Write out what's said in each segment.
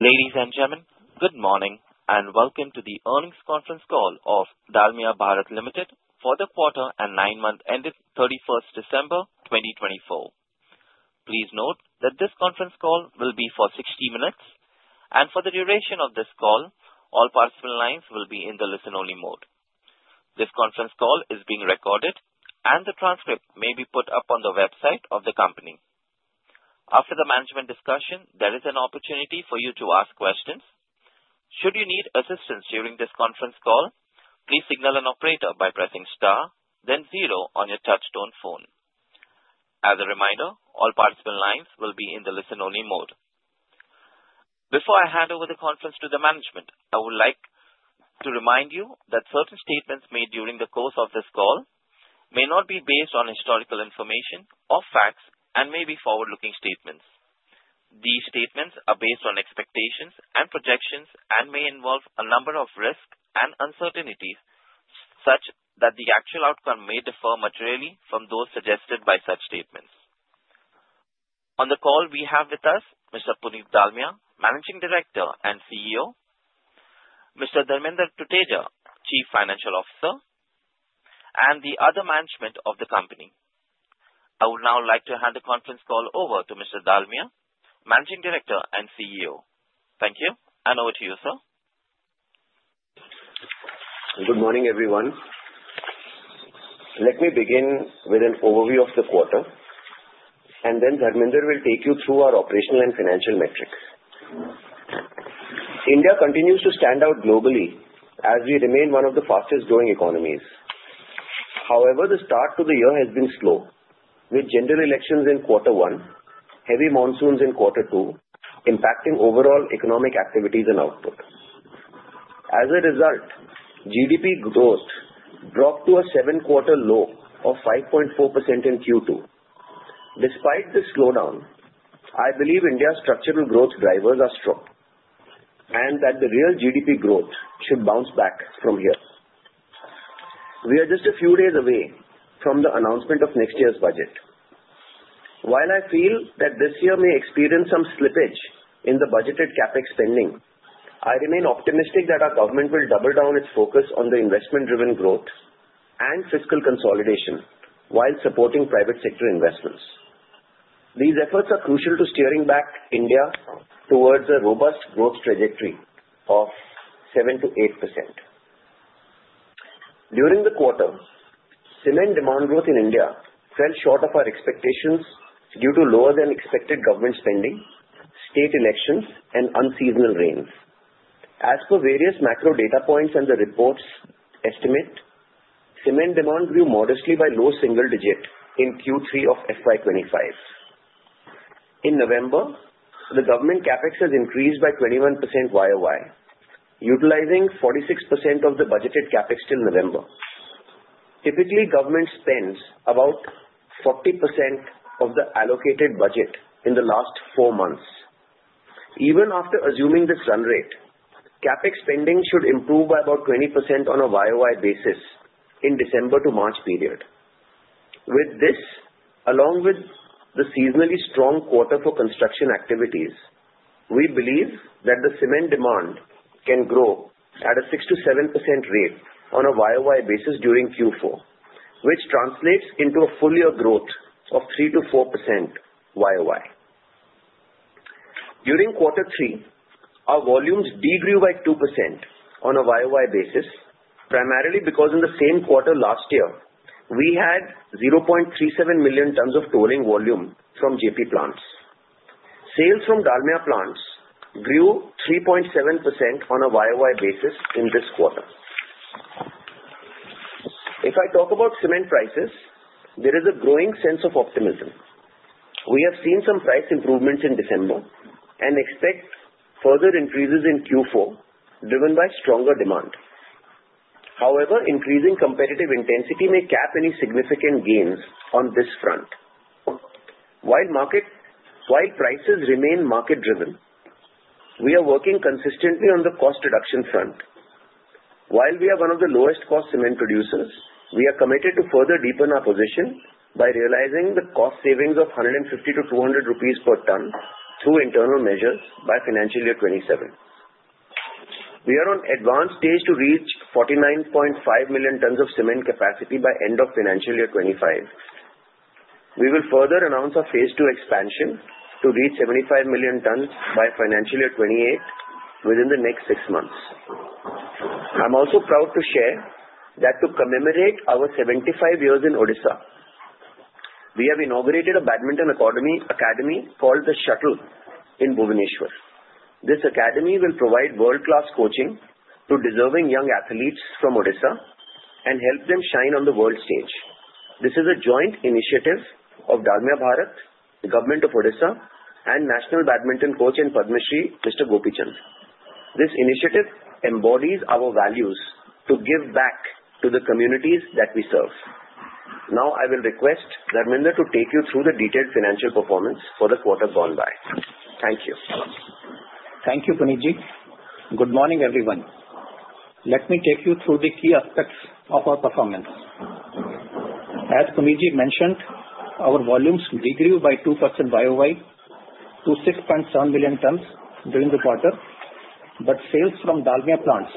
Ladies and gentlemen, good morning and welcome to the earnings conference call of Dalmia Bharat Limited for the quarter and nine-month ended 31st December 2024. Please note that this conference call will be for 60 minutes, and for the duration of this call, all participant lines will be in the listen-only mode. This conference call is being recorded, and the transcript may be put up on the website of the company. After the management discussion, there is an opportunity for you to ask questions. Should you need assistance during this conference call, please signal an operator by pressing star, then zero on your touch-tone phone. As a reminder, all participant lines will be in the listen-only mode. Before I hand over the conference to the management, I would like to remind you that certain statements made during the course of this call may not be based on historical information or facts and may be forward-looking statements. These statements are based on expectations and projections and may involve a number of risks and uncertainties such that the actual outcome may differ materially from those suggested by such statements. On the call, we have with us Mr. Puneet Dalmia, Managing Director and CEO, Mr. Dharmender Tuteja, Chief Financial Officer, and the other management of the company. I would now like to hand the conference call over to Mr. Dalmia, Managing Director and CEO. Thank you, and over to you, sir. Good morning, everyone. Let me begin with an overview of the quarter, and then Dharmender will take you through our operational and financial metrics. India continues to stand out globally as we remain one of the fastest-growing economies. However, the start to the year has been slow, with general elections in quarter one, heavy monsoons in quarter two, impacting overall economic activities and output. As a result, GDP growth dropped to a seven-quarter low of 5.4% in Q2. Despite the slowdown, I believe India's structural growth drivers are strong and that the real GDP growth should bounce back from here. We are just a few days away from the announcement of next year's budget. While I feel that this year may experience some slippage in the budgeted CapEx spending, I remain optimistic that our government will double down its focus on the investment-driven growth and fiscal consolidation while supporting private sector investments. These efforts are crucial to steering back India towards a robust growth trajectory of 7%-8%. During the quarter, cement demand growth in India fell short of our expectations due to lower-than-expected government spending, state elections, and unseasonal rains. As per various macro data points and the reports' estimate, cement demand grew modestly by low single digit in Q3 of FY25. In November, the government CapEx has increased by 21% YoY, utilizing 46% of the budgeted CapEx till November. Typically, government spends about 40% of the allocated budget in the last four months. Even after assuming this run rate, CapEx spending should improve by about 20% on a YoY basis in the December to March period. With this, along with the seasonally strong quarter for construction activities, we believe that the cement demand can grow at a 6%-7% rate on a YoY basis during Q4, which translates into a full-year growth of 3%-4% YoY. During quarter three, our volumes did grow by 2% on a YoY basis, primarily because in the same quarter last year, we had 0.37 million tons of tolling volume from JP Plants. Sales from Dalmia Plants grew 3.7% on a YoY basis in this quarter. If I talk about cement prices, there is a growing sense of optimism. We have seen some price improvements in December and expect further increases in Q4 driven by stronger demand. However, increasing competitive intensity may cap any significant gains on this front. While prices remain market-driven, we are working consistently on the cost-reduction front. While we are one of the lowest-cost cement producers, we are committed to further deepen our position by realizing the cost savings of 150-200 rupees per ton through internal measures by financial year 2027. We are on the advanced stage to reach 49.5 million tons of cement capacity by the end of financial year 2025. We will further announce our phase two expansion to reach 75 million tons by financial year 2028 within the next six months. I'm also proud to share that to commemorate our 75 years in Odisha, we have inaugurated a badminton academy called The Shuttle in Bhubaneswar. This academy will provide world-class coaching to deserving young athletes from Odisha and help them shine on the world stage. This is a joint initiative of Dalmia Bharat, the government of Odisha, and national badminton coach in Padma Shri, Mr. Pullela Gopichand. This initiative embodies our values to give back to the communities that we serve. Now, I will request Dharmender to take you through the detailed financial performance for the quarter gone by. Thank you. Thank you, Puneet-ji. Good morning, everyone. Let me take you through the key aspects of our performance. As Puneet-ji mentioned, our volumes did grow by 2% YoY to 6.7 million tons during the quarter, but sales from Dalmia Plants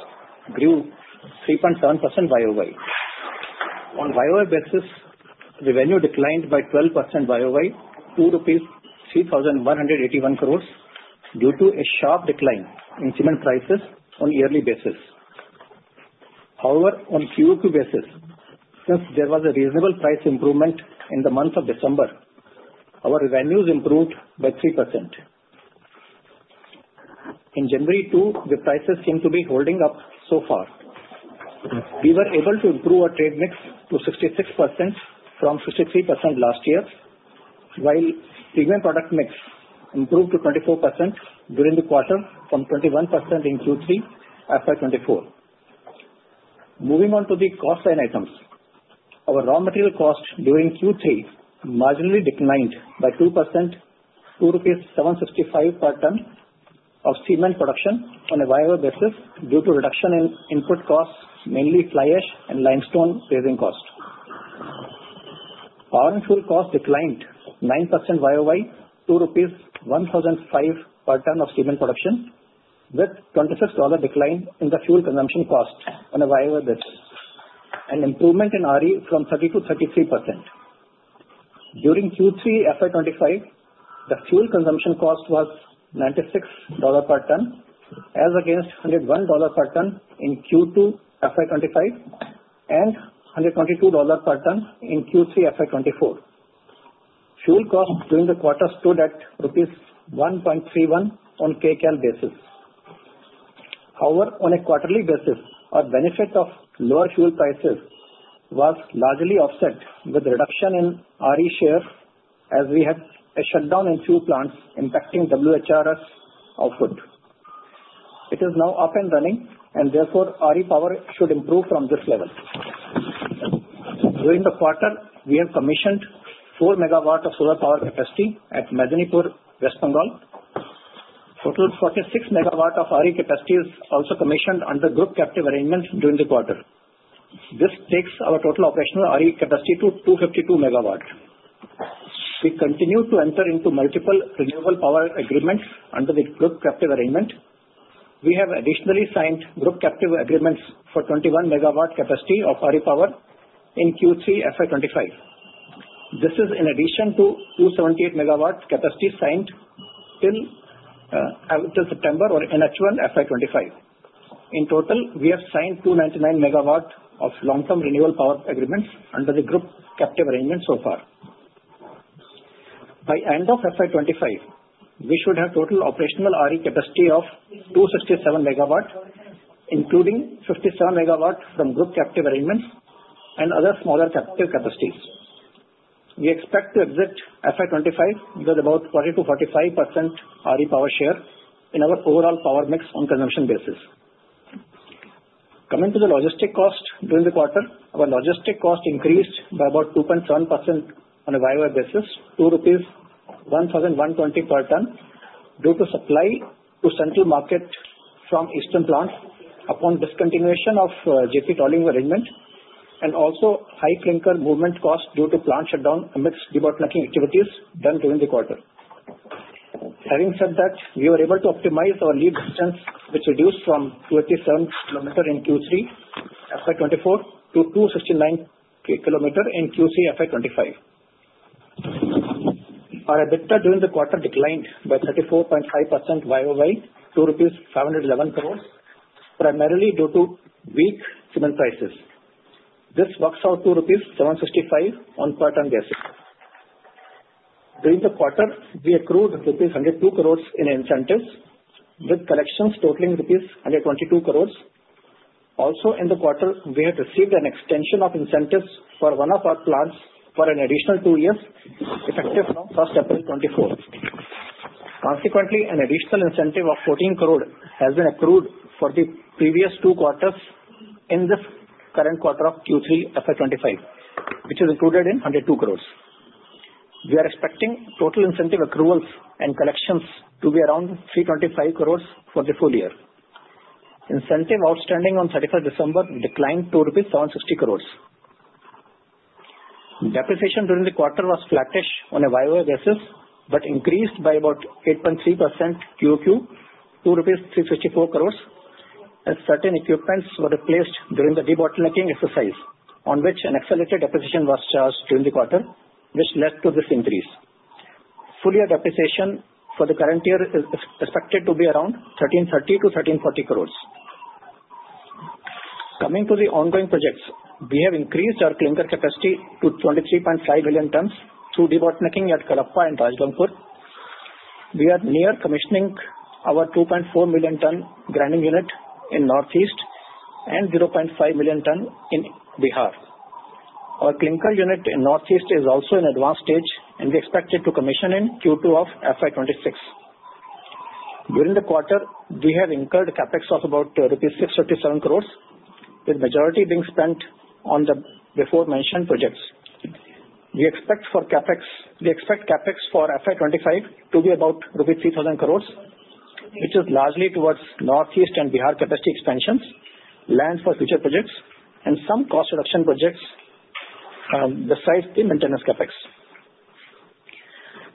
grew 3.7% YoY. On a YoY basis, revenue declined by 12% YoY to 3,181 crores due to a sharp decline in cement prices on a yearly basis. However, on a Q2 basis, since there was a reasonable price improvement in the month of December, our revenues improved by 3%. In January too, the prices seem to be holding up so far. We were able to improve our trade mix to 66% from 53% last year, while premium product mix improved to 24% during the quarter from 21% in Q3 FY24. Moving on to the cost line items, our raw material cost during Q3 marginally declined by 2% to 765 per ton of cement production on a YoY basis due to reduction in input costs, mainly fly ash and limestone raising cost. Power and fuel cost declined 9% YoY to 1,005 per ton of cement production, with a $26 decline in the fuel consumption cost on a YoY basis and improvement in RE from 30%-33%. During Q3 FY25, the fuel consumption cost was $96 per ton, as against $101 per ton in Q2 FY25 and $122 per ton in Q3 FY24. Fuel cost during the quarter stood at rupees 1.31 on a KCAL basis. However, on a quarterly basis, our benefit of lower fuel prices was largely offset with reduction in RE share as we had a shutdown in few plants impacting WHRS output. It is now up and running, and therefore RE power should improve from this level. During the quarter, we have commissioned 4 MW of solar power capacity at Medinipur, West Bengal. A total of 46 MW of RE capacity is also commissioned under group captive arrangements during the quarter. This takes our total operational RE capacity to 252 MW. We continue to enter into multiple renewable power agreements under the group captive arrangement. We have additionally signed group captive agreements for 21 MW capacity of RE power in Q3 FY25. This is in addition to 278 MW capacity signed till September of H1 FY25. In total, we have signed 299 MW of long-term renewable power agreements under the group captive arrangement so far. By the end of FY25, we should have total operational RE capacity of 267 MW, including 57 MW from group captive arrangements and other smaller captive capacities. We expect to exit FY25 with about 40%-45% RE power share in our overall power mix on a consumption basis. Coming to the logistic cost during the quarter, our logistic cost increased by about 2.7% on a YoY basis to 1,120 per ton due to supply to central market from Eastern Plants upon discontinuation of JP tolling arrangement and also high clinker movement cost due to plant shutdown amidst debug activities done during the quarter. Having said that, we were able to optimize our lead distance, which reduced from 287 kilometers in Q3 FY24 to 269 kilometers in Q3 FY25. Our EBITDA during the quarter declined by 34.5% YoY to 511 crores, primarily due to weak cement prices. This works out to rupees 765 on a per ton basis. During the quarter, we accrued rupees 102 crores in incentives, with collections totaling rupees 122 crores. Also, in the quarter, we had received an extension of incentives for one of our plants for an additional two years effective from 1st April 2024. Consequently, an additional incentive of 14 crore has been accrued for the previous two quarters in this current quarter of Q3 FY25, which is included in 102 crores. We are expecting total incentive accruals and collections to be around 325 crores for the full year. Incentive outstanding on 31st December declined to 760 crores. Depreciation during the quarter was flattish on a YoY basis, but increased by about 8.3% Q2 to INR 354 crores as certain equipments were replaced during the debottlenecking exercise, on which an accelerated depreciation was charged during the quarter, which led to this increase. Full year depreciation for the current year is expected to be around 1,330-1,340 crores. Coming to the ongoing projects, we have increased our clinker capacity to 23.5 million tons through debottlenecking at Kadapa and Rajgangpur. We are near commissioning our 2.4 million ton grinding unit in Northeast and 0.5 million ton in Bihar. Our clinker unit in Northeast is also in advanced stage, and we expect it to commission in Q2 of FY26. During the quarter, we have incurred CapEx of about rupees 637 crores, with the majority being spent on the before-mentioned projects. We expect CapEx for FY25 to be about rupees 3,000 crores, which is largely towards Northeast and Bihar capacity expansions, land for future projects, and some cost-reduction projects besides the maintenance CapEx.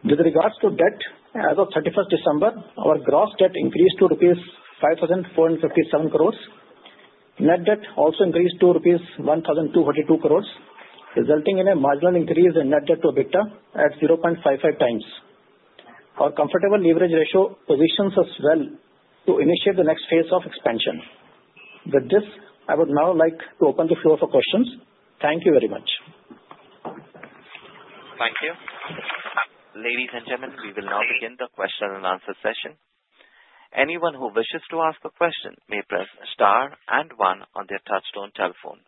With regards to debt, as of 31st December, our gross debt increased to 5,457 crores rupees. Net Debt also increased to 1,242 crores rupees, resulting in a marginal increase in Net Debt to EBITDA at 0.55x. Our comfortable leverage ratio positions us well to initiate the next phase of expansion. With this, I would now like to open the floor for questions. Thank you very much. Thank you. Ladies and gentlemen, we will now begin the question and answer session. Anyone who wishes to ask a question may press star and one on their touch-tone telephone.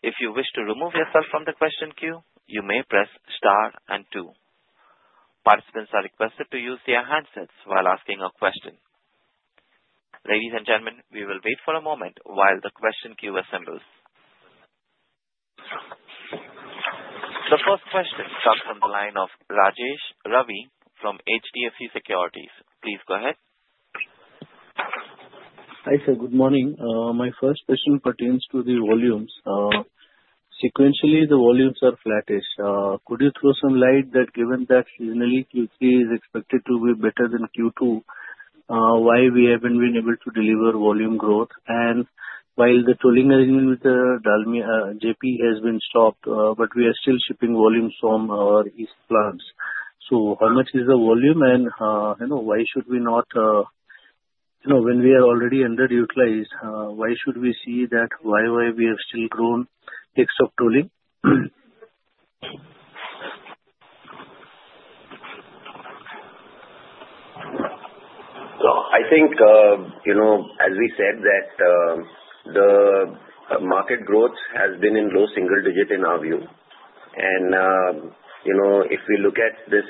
If you wish to remove yourself from the question queue, you may press star and two. Participants are requested to use their handsets while asking a question. Ladies and gentlemen, we will wait for a moment while the question queue assembles. The first question comes from the line of Rajesh Ravi from HDFC Securities. Please go ahead. Hi, sir. Good morning. My first question pertains to the volumes. Sequentially, the volumes are flattish. Could you throw some light that given that seasonally Q3 is expected to be better than Q2, why we haven't been able to deliver volume growth? And while the tolling arrangement with JP has been stopped, but we are still shipping volumes from our East Plants. So how much is the volume, and why should we not, when we are already underutilized, why should we see that YoY we have still grown except tolling? I think, as we said, that the market growth has been in low single digit in our view. If we look at this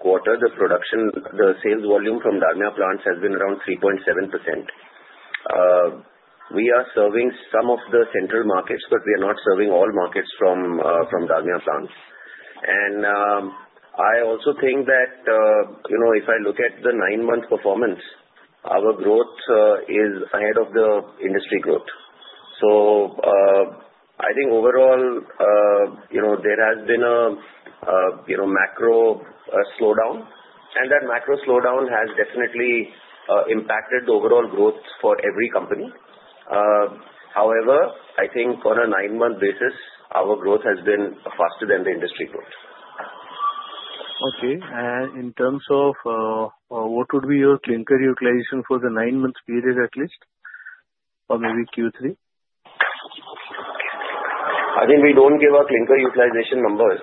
quarter, the sales volume from Dalmia Plants has been around 3.7%. We are serving some of the central markets, but we are not serving all markets from Dalmia Plants. I also think that if I look at the nine-month performance, our growth is ahead of the industry growth. Overall, there has been a macro slowdown, and that macro slowdown has definitely impacted the overall growth for every company. However, I think on a nine-month basis, our growth has been faster than the industry growth. Okay. And in terms of what would be your clinker utilization for the nine-month period at least, or maybe Q3? Again, we don't give our clinker utilization numbers.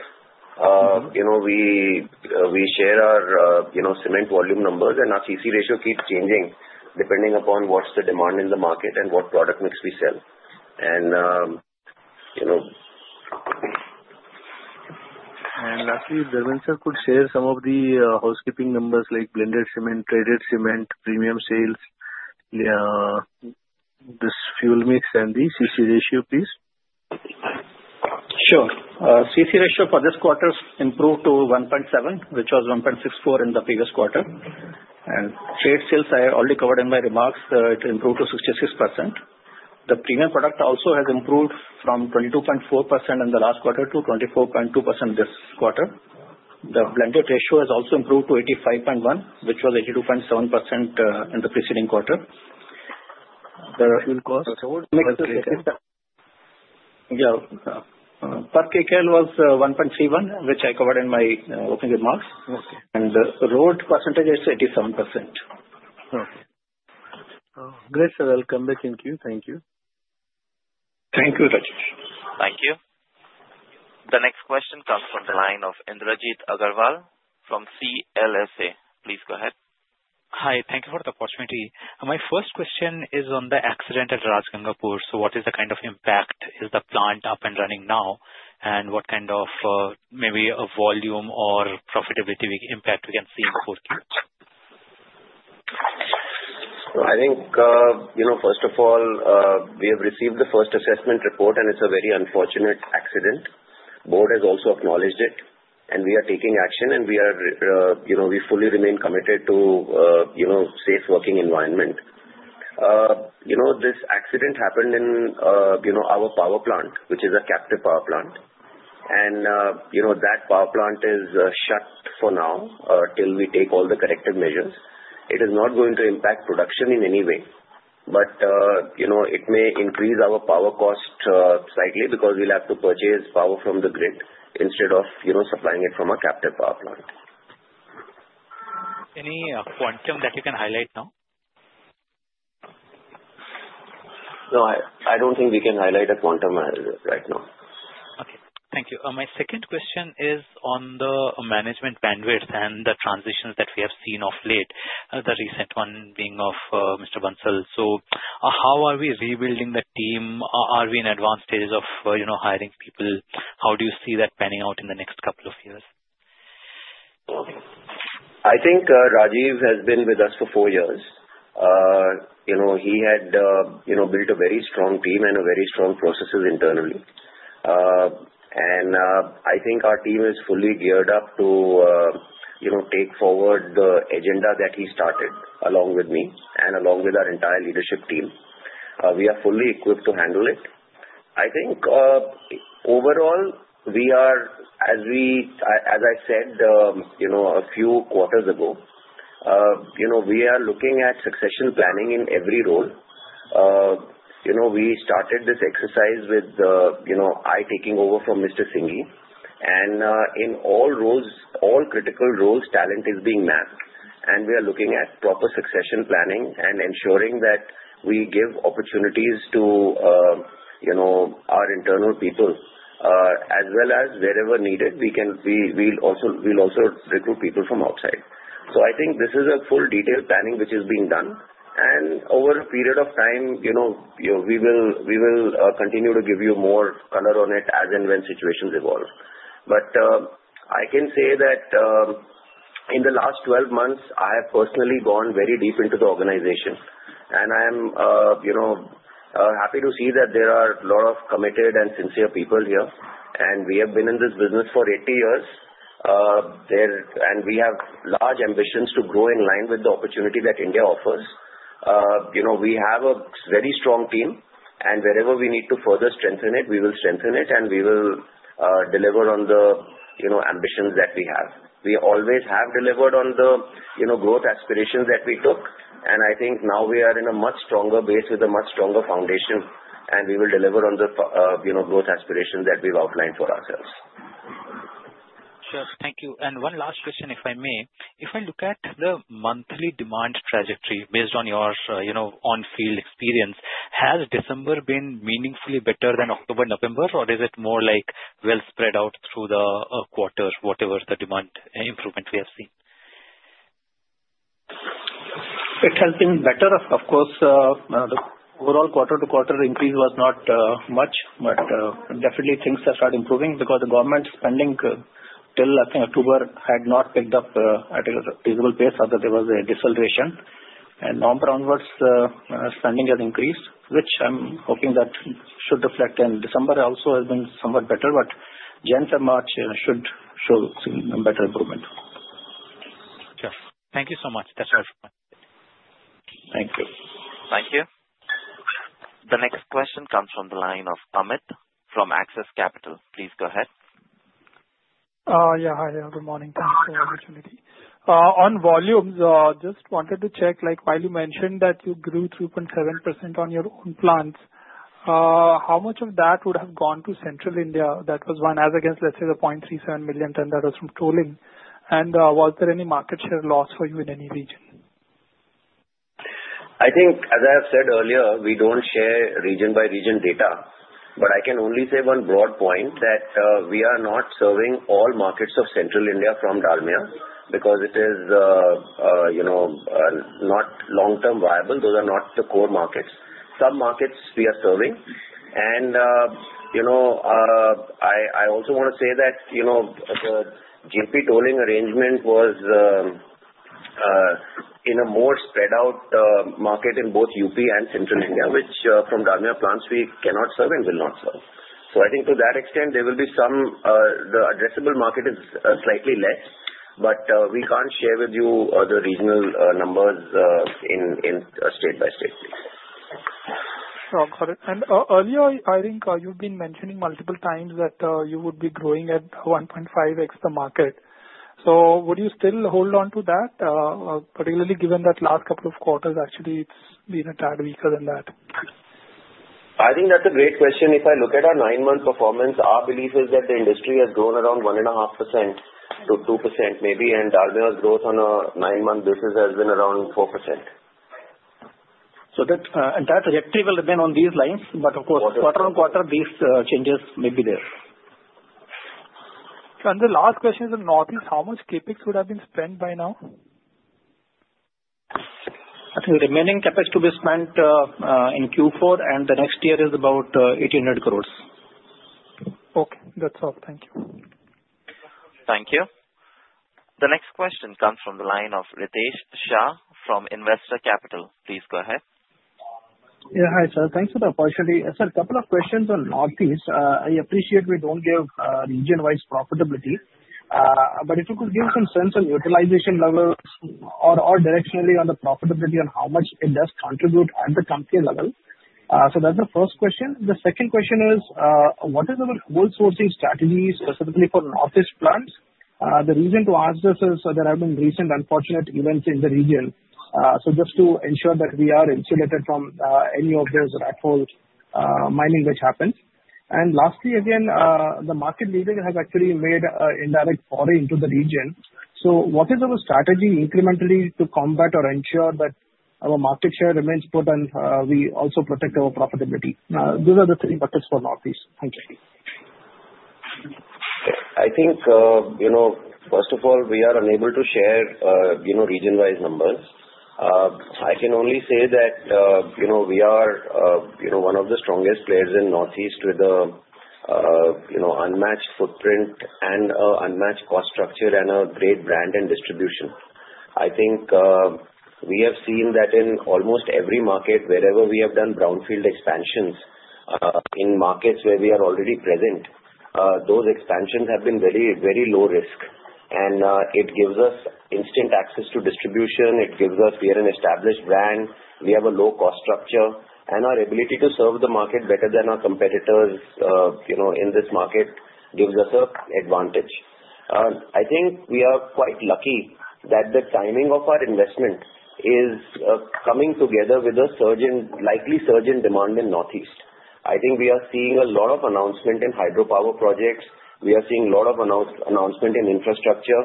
We share our cement volume numbers, and our CC ratio keeps changing depending upon what's the demand in the market and what product mix we sell. And lastly, Dharmender sir, could you share some of the housekeeping numbers like blended cement, traded cement, premium sales, this fuel mix, and the CC ratio piece? Sure. CC ratio for this quarter improved to 1.7, which was 1.64 in the previous quarter, and trade sales I already covered in my remarks, it improved to 66%. The premium product also has improved from 22.4% in the last quarter to 24.2% this quarter. The blended ratio has also improved to 85.1%, which was 82.7% in the preceding quarter. The fuel cost? Yeah. Per KCAL was 1.31, which I covered in my opening remarks, and road percentage is 87%. Okay. Great, sir. I'll come back in queue. Thank you. Thank you, Rajesh. Thank you. The next question comes from the line of Indrajit Agarwal from CLSA. Please go ahead. Hi. Thank you for the opportunity. My first question is on the accident at Rajgangpur. So what is the kind of impact? Is the plant up and running now? And what kind of maybe a volume or profitability impact we can see in the forecast? So I think, first of all, we have received the first assessment report, and it's a very unfortunate accident. The board has also acknowledged it, and we are taking action, and we fully remain committed to a safe working environment. This accident happened in our power plant, which is a captive power plant. And that power plant is shut for now till we take all the corrective measures. It is not going to impact production in any way, but it may increase our power cost slightly because we'll have to purchase power from the grid instead of supplying it from a captive power plant. Any quantum that you can highlight now? No, I don't think we can highlight a quantum right now. Okay. Thank you. My second question is on the management bandwidth and the transitions that we have seen of late, the recent one being of Mr. Bansal. So how are we rebuilding the team? Are we in advanced stages of hiring people? How do you see that panning out in the next couple of years? I think Rajiv has been with us for four years. He had built a very strong team and a very strong processes internally, and I think our team is fully geared up to take forward the agenda that he started along with me and along with our entire leadership team. We are fully equipped to handle it. I think overall, as I said a few quarters ago, we are looking at succession planning in every role. We started this exercise with I taking over from Mr. Singhi, and in all roles, all critical roles, talent is being mapped, and we are looking at proper succession planning and ensuring that we give opportunities to our internal people, as well as wherever needed, we'll also recruit people from outside, so I think this is a full detailed planning which is being done. Over a period of time, we will continue to give you more color on it as and when situations evolve. I can say that in the last 12 months, I have personally gone very deep into the organization. I am happy to see that there are a lot of committed and sincere people here. We have been in this business for 80 years, and we have large ambitions to grow in line with the opportunity that India offers. We have a very strong team, and wherever we need to further strengthen it, we will strengthen it, and we will deliver on the ambitions that we have. We always have delivered on the growth aspirations that we took. I think now we are in a much stronger base with a much stronger foundation, and we will deliver on the growth aspirations that we've outlined for ourselves. Sure. Thank you, and one last question, if I may. If I look at the monthly demand trajectory based on your on-field experience, has December been meaningfully better than October, November, or is it more like well spread out through the quarters, whatever the demand improvement we have seen? It has been better. Of course, the overall quarter-to-quarter increase was not much, but definitely things have started improving because the government spending till, I think, October had not picked up at a reasonable pace, other than there was a deceleration. And now, November onwards, spending has increased, which I'm hoping that should reflect in December. It also has been somewhat better, but Jan-March should show some better improvement. Sure. Thank you so much. That's all from my side. Thank you. Thank you. The next question comes from the line of Amit from Axis Capital. Please go ahead. Yeah. Hi, there. Good morning. Thanks for the opportunity. On volumes, just wanted to check, while you mentioned that you grew 3.7% on your own plants, how much of that would have gone to Central India that was one, as against, let's say, the 0.37 million ton that was from tolling? And was there any market share loss for you in any region? I think, as I have said earlier, we don't share region-by-region data. But I can only say one broad point that we are not serving all markets of Central India from Dalmia because it is not long-term viable. Those are not the core markets. Some markets we are serving. And I also want to say that the JP tolling arrangement was in a more spread-out market in both UP and Central India, which from Dalmia plants, we cannot serve and will not serve. So I think to that extent, there will be some the addressable market is slightly less, but we can't share with you the regional numbers in state-by-state space. Sure. Got it. And earlier, I think you've been mentioning multiple times that you would be growing at 1.5x the market. So would you still hold on to that, particularly given that last couple of quarters, actually, it's been a tad weaker than that? I think that's a great question. If I look at our nine-month performance, our belief is that the industry has grown around 1.5%-2% maybe, and Dalmia's growth on a nine-month basis has been around 4%. So that trajectory will remain on these lines, but of course, quarter on quarter, these changes may be there. The last question is in Northeast. How much CapEx would have been spent by now? I think the remaining CapEx to be spent in Q4 and the next year is about 1,800 crores. Okay. That's all. Thank you. Thank you. The next question comes from the line of Ritesh Shah from Investec. Please go ahead. Yeah. Hi, sir. Thanks for the opportunity. Sir, a couple of questions on Northeast. I appreciate we don't give region-wise profitability, but if you could give some sense on utilization levels or directionally on the profitability and how much it does contribute at the company level. So that's the first question. The second question is, what is the whole sourcing strategy specifically for Northeast plants? The reason to ask this is there have been recent unfortunate events in the region. So just to ensure that we are insulated from any of those rat-hole mining which happens. And lastly, again, the market leaders have actually made an indirect foray into the region. So what is our strategy incrementally to combat or ensure that our market share remains put and we also protect our profitability? Those are the three buckets for Northeast. Thank you. I think, first of all, we are unable to share region-wise numbers. I can only say that we are one of the strongest players in Northeast with an unmatched footprint and an unmatched cost structure and a great brand and distribution. I think we have seen that in almost every market, wherever we have done brownfield expansions in markets where we are already present, those expansions have been very low risk. And it gives us instant access to distribution. It gives us. We are an established brand. We have a low cost structure. And our ability to serve the market better than our competitors in this market gives us an advantage. I think we are quite lucky that the timing of our investment is coming together with a likely surge in demand in Northeast. I think we are seeing a lot of announcement in hydropower projects. We are seeing a lot of announcements in infrastructure.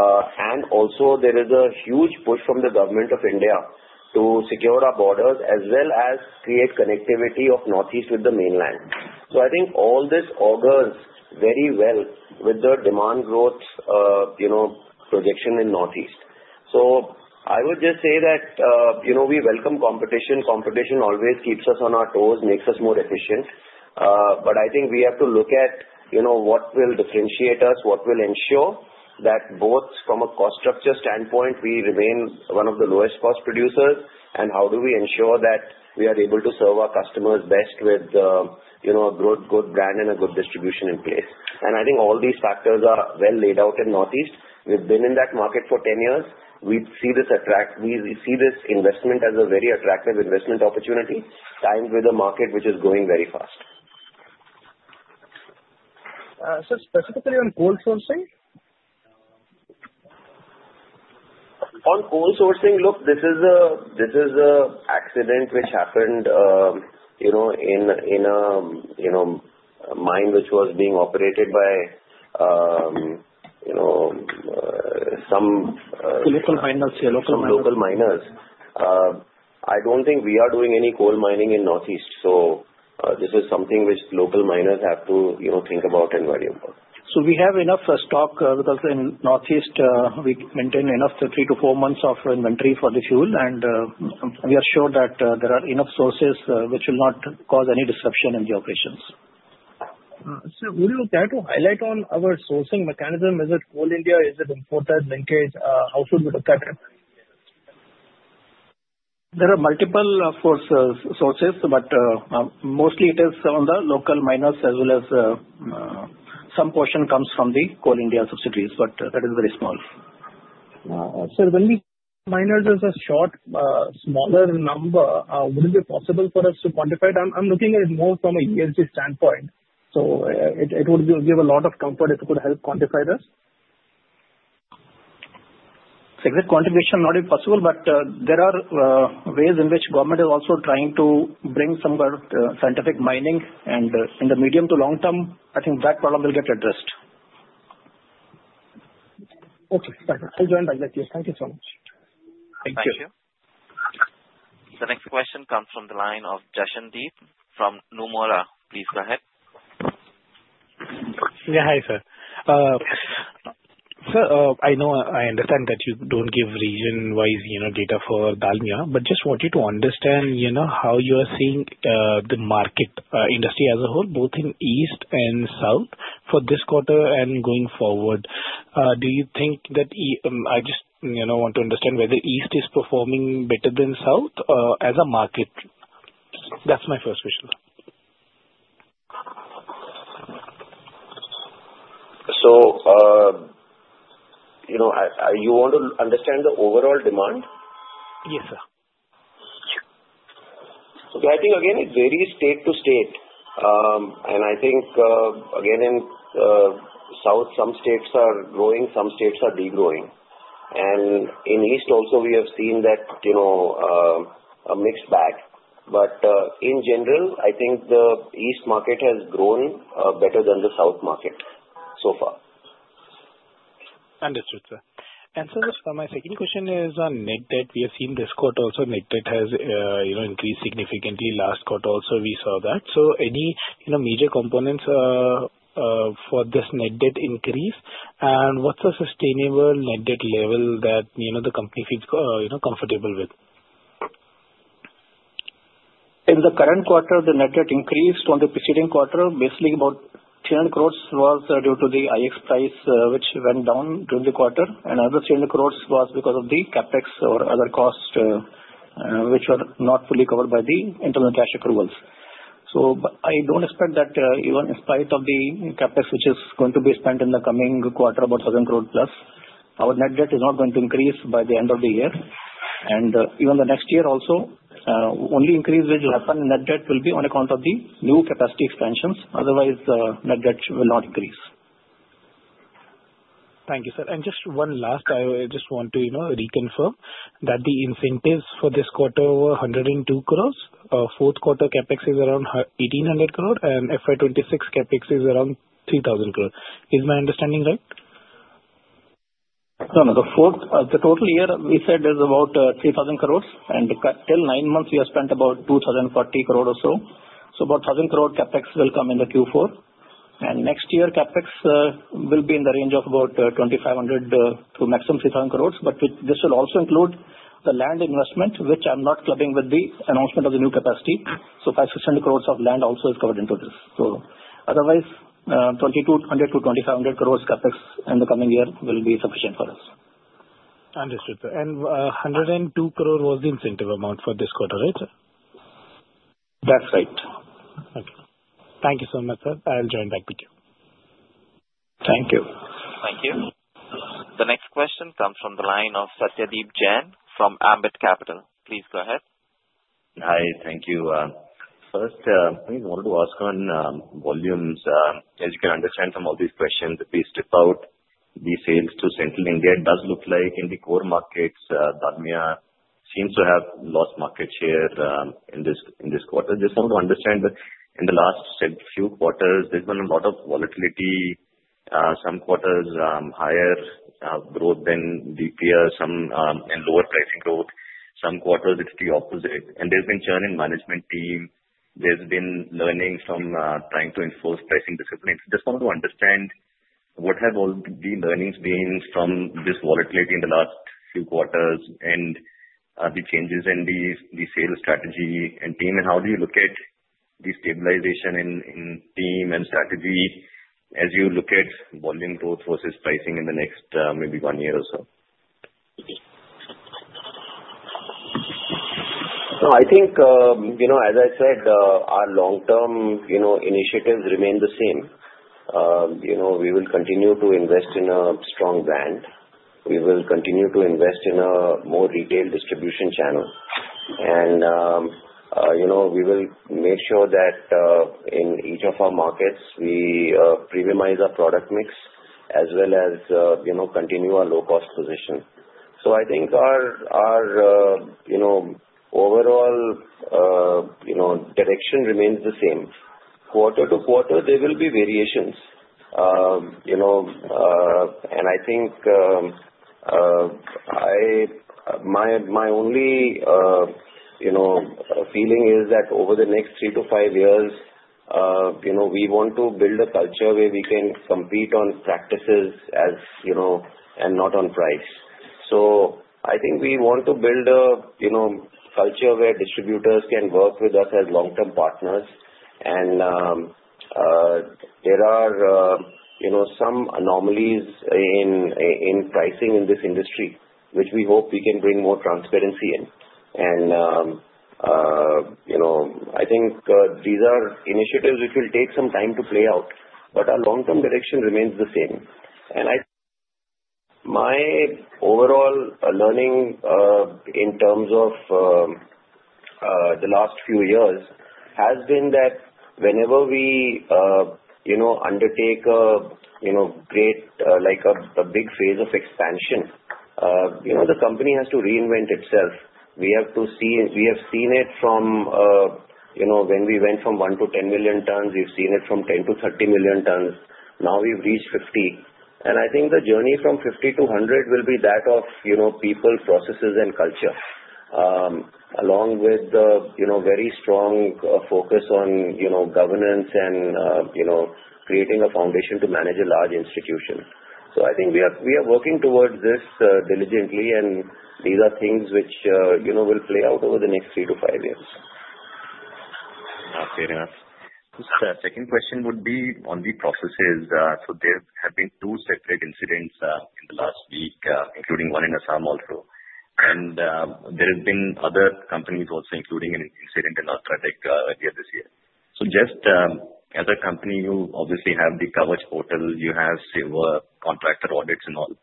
And also, there is a huge push from the Government of India to secure our borders as well as create connectivity of Northeast with the mainland. So I think all this augurs very well with the demand growth projection in Northeast. So I would just say that we welcome competition. Competition always keeps us on our toes, makes us more efficient. But I think we have to look at what will differentiate us, what will ensure that both from a cost structure standpoint, we remain one of the lowest cost producers, and how do we ensure that we are able to serve our customers best with a good brand and a good distribution in place. And I think all these factors are well laid out in Northeast. We've been in that market for 10 years. We see this investment as a very attractive investment opportunity timed with a market which is going very fast. So specifically on coal sourcing? On coal sourcing, look, this is an accident which happened in a mine which was being operated by some. Local miners, yeah. Local miners. Local miners. I don't think we are doing any coal mining in Northeast. So this is something which local miners have to think about and worry about. So we have enough stock because in Northeast, we maintain enough three to four months of inventory for the fuel. And we are sure that there are enough sources which will not cause any disruption in the operations. Sir, would you care to highlight on our sourcing mechanism? Is it Coal India? Is it imported? How should we look at it? There are multiple sources, but mostly it is on the local miners as well as some portion comes from the Coal India subsidiaries, but that is very small. Sir, when we measure is a short, smaller number, would it be possible for us to quantify it? I'm looking at it more from an ESG standpoint. So it would give a lot of comfort if you could help quantify this. It's a good quantification, not impossible, but there are ways in which government is also trying to bring some kind of scientific mining. And in the medium to long term, I think that problem will get addressed. Okay. Perfect. I'll join back with you. Thank you so much. Thank you. The next question comes from the line of Jashandeep from Nomura. Please go ahead. Yeah. Hi, sir. Sir, I know I understand that you don't give region-wise data for Dalmia, but just wanted to understand how you are seeing the market industry as a whole, both in East and South for this quarter and going forward. Do you think that I just want to understand whether East is performing better than South as a market? That's my first question. You want to understand the overall demand? Yes, sir. Okay. I think, again, it varies state to state. And I think, again, in South, some states are growing, some states are degrowing. And in East also, we have seen that a mixed bag. But in general, I think the East market has grown better than the South market so far. Understood, sir. And sir, my second question is on net debt. We have seen this quarter also, net debt has increased significantly. Last quarter also, we saw that. So any major components for this net debt increase? And what's a sustainable net debt level that the company feels comfortable with? In the current quarter, the net debt increased from the preceding quarter, basically about 300 crore was due to the pet coke price which went down during the quarter, and another 300 crore was because of the CapEx or other costs which were not fully covered by the internal cash accruals, so I don't expect that even in spite of the CapEx which is going to be spent in the coming quarter, about 1,000 crore+, our net debt is not going to increase by the end of the year, and even the next year also, only increase which will happen in net debt will be on account of the new capacity expansions. Otherwise, net debt will not increase. Thank you, sir, and just one last. I just want to reconfirm that the incentives for this quarter were 102 crores. Fourth quarter CapEx is around 1,800 crore, and FY26 CapEx is around 3,000 crore. Is my understanding right? No, no. The total year we said is about 3,000 crores. And till nine months, we have spent about 2,040 crore or so. So about 1,000 crore CapEx will come in the Q4. And next year, CapEx will be in the range of about 2,500 to maximum 3,000 crores. But this will also include the land investment, which I'm not clubbing with the announcement of the new capacity. So 5,600 crores of land also is covered into this. So otherwise, 2,200-2,500 crores CapEx in the coming year will be sufficient for us. Understood, sir. And 102 crore was the incentive amount for this quarter, right, sir? That's right. Okay. Thank you so much, sir. I'll join back with you. Thank you. Thank you. The next question comes from the line of Satyadeep Jain from Ambit Capital. Please go ahead. Hi. Thank you. First, I wanted to ask on volumes. As you can understand from all these questions, if we step out the sales to Central India, it does look like in the core markets, Dalmia seems to have lost market share in this quarter. Just wanted to understand that in the last few quarters, there's been a lot of volatility. Some quarters, higher growth than DPS and lower pricing growth. Some quarters, it's the opposite. And there's been churn in management team. There's been learnings from trying to enforce pricing discipline. Just wanted to understand what have all the learnings been from this volatility in the last few quarters and the changes in the sales strategy and team, and how do you look at the stabilization in team and strategy as you look at volume growth versus pricing in the next maybe one year or so? So I think, as I said, our long-term initiatives remain the same. We will continue to invest in a strong brand. We will continue to invest in a more retail distribution channel. And we will make sure that in each of our markets, we premiumize our product mix as well as continue our low-cost position. So I think our overall direction remains the same. Quarter-to-quarter, there will be variations. And I think my only feeling is that over the next three to five years, we want to build a culture where we can compete on practices and not on price. So I think we want to build a culture where distributors can work with us as long-term partners. And there are some anomalies in pricing in this industry, which we hope we can bring more transparency in. I think these are initiatives which will take some time to play out, but our long-term direction remains the same. My overall learning in terms of the last few years has been that whenever we undertake a big phase of expansion, the company has to reinvent itself. We have seen it from when we went from one to 10 million tons. We've seen it from 10-30 million tons. Now we've reached 50. I think the journey from 50-100 will be that of people, processes, and culture, along with the very strong focus on governance and creating a foundation to manage a large institution. I think we are working towards this diligently, and these are things which will play out over the next three to five years. Okay. Thanks. The second question would be on the processes. So there have been two separate incidents in the last week, including one in Assam also. And there have been other companies also including an incident in UltraTech earlier this year. So just as a company, you obviously have the coverage portal. You have silver contractor audits and all.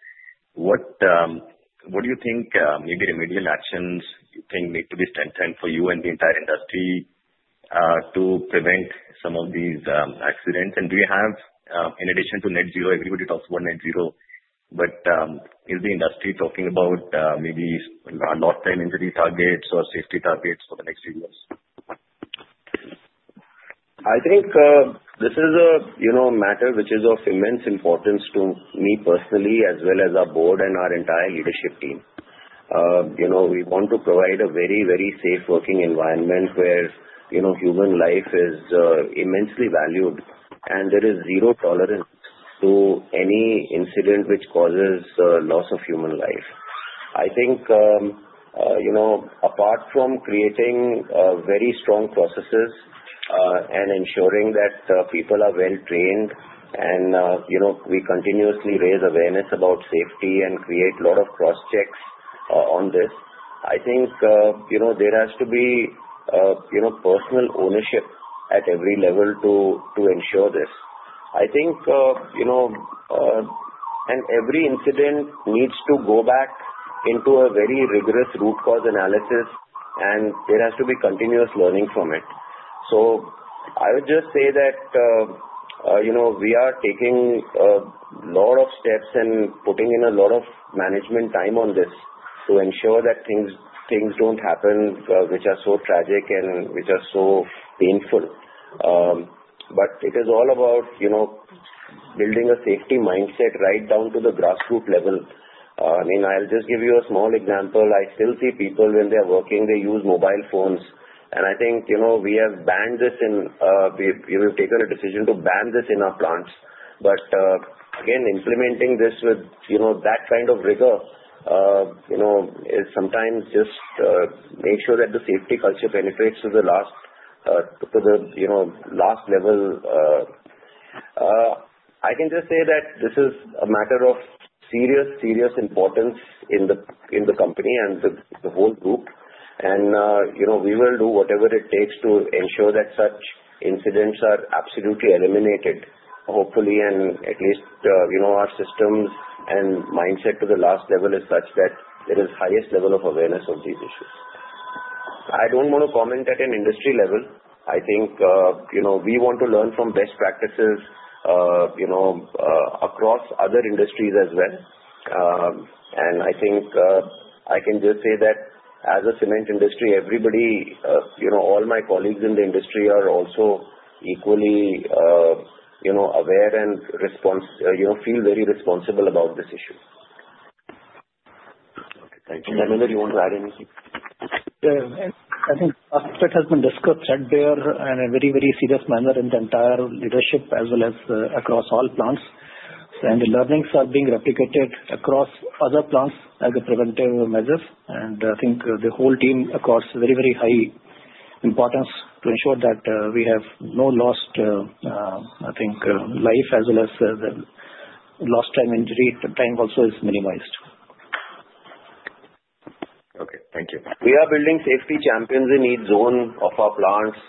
What do you think maybe remedial actions you think need to be spent for you and the entire industry to prevent some of these accidents? And do you have, in addition to net zero, everybody talks about net zero, but is the industry talking about maybe lifetime injury targets or safety targets for the next few years? I think this is a matter which is of immense importance to me personally as well as our board and our entire leadership team. We want to provide a very, very safe working environment where human life is immensely valued, and there is zero tolerance to any incident which causes loss of human life. I think apart from creating very strong processes and ensuring that people are well trained and we continuously raise awareness about safety and create a lot of cross-checks on this, I think there has to be personal ownership at every level to ensure this. I think every incident needs to go back into a very rigorous root cause analysis, and there has to be continuous learning from it. So I would just say that we are taking a lot of steps and putting in a lot of management time on this to ensure that things don't happen which are so tragic and which are so painful. But it is all about building a safety mindset right down to the grassroots level. I mean, I'll just give you a small example. I still see people when they are working, they use mobile phones. And I think we have banned this, and we've taken a decision to ban this in our plants. But again, implementing this with that kind of rigor is sometimes just to make sure that the safety culture penetrates to the last level. I can just say that this is a matter of serious, serious importance in the company and the whole group. We will do whatever it takes to ensure that such incidents are absolutely eliminated, hopefully, and at least our systems and mindset to the last level is such that there is the highest level of awareness of these issues. I don't want to comment at an industry level. I think we want to learn from best practices across other industries as well. I think I can just say that as a cement industry, everybody, all my colleagues in the industry are also equally aware and feel very responsible about this issue. Okay. Thank you. And I know that you want to add anything. Yeah. I think aspect has been discussed right there in a very, very serious manner in the entire leadership as well as across all plants. And the learnings are being replicated across other plants as a preventive measure. And I think the whole team accords very, very high importance to ensure that we have no lost, I think, life as well as lost time injury time also is minimized. Okay. Thank you. We are building safety champions in each zone of our plants.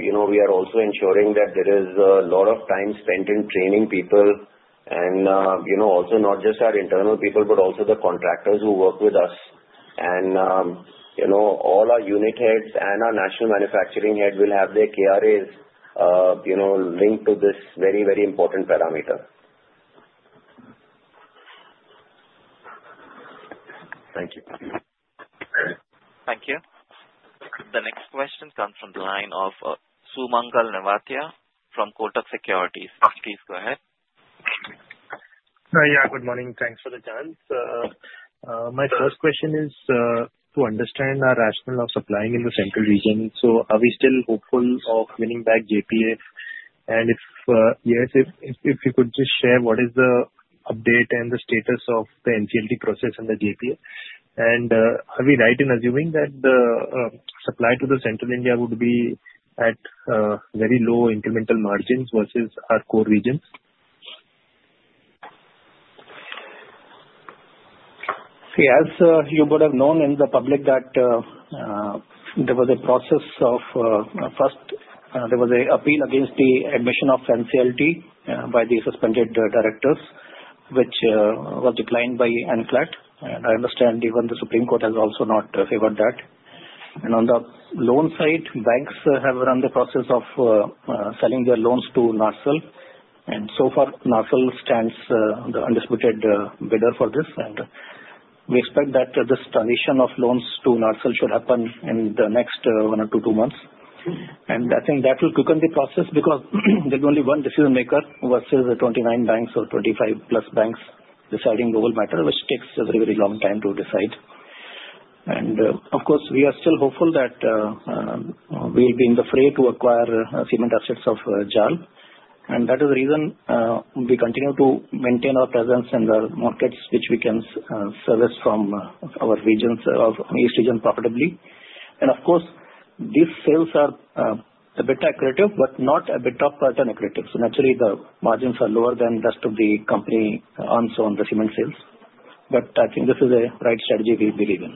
We are also ensuring that there is a lot of time spent in training people and also not just our internal people, but also the contractors who work with us, and all our unit heads and our national manufacturing head will have their KRAs linked to this very, very important parameter. Thank you. Thank you. The next question comes from the line of Sumangal Nevatia from Kotak Securities. Please go ahead. Yeah. Good morning. Thanks for the chance. My first question is to understand our rationale of supplying in the Central Region, so are we still hopeful of winning back JAL? And if yes, if you could just share what is the update and the status of the NCLT process and the JAL, and are we right in assuming that the supply to the Central India would be at very low incremental margins versus our core regions? See, as you would have known in the public, that there was a process of first, there was an appeal against the admission of NCLT by the suspended directors, which was declined by NCLAT. And I understand even the Supreme Court has also not favored that. And on the loan side, banks have run the process of selling their loans to NARCL. And so far, NARCL stands the undisputed bidder for this. And we expect that this transition of loans to NARCL should happen in the next one or two, two months. And I think that will quicken the process because there'll be only one decision-maker versus 29 banks or 25+ banks deciding the whole matter, which takes a very, very long time to decide. And of course, we are still hopeful that we'll be in the fray to acquire cement assets of JAL. And that is the reason we continue to maintain our presence in the markets, which we can service from our regions of East Region profitably. And of course, these sales are a bit accretive, but not a bit of pattern accretive. So naturally, the margins are lower than the rest of the company earns on the cement sales. But I think this is a right strategy we believe in.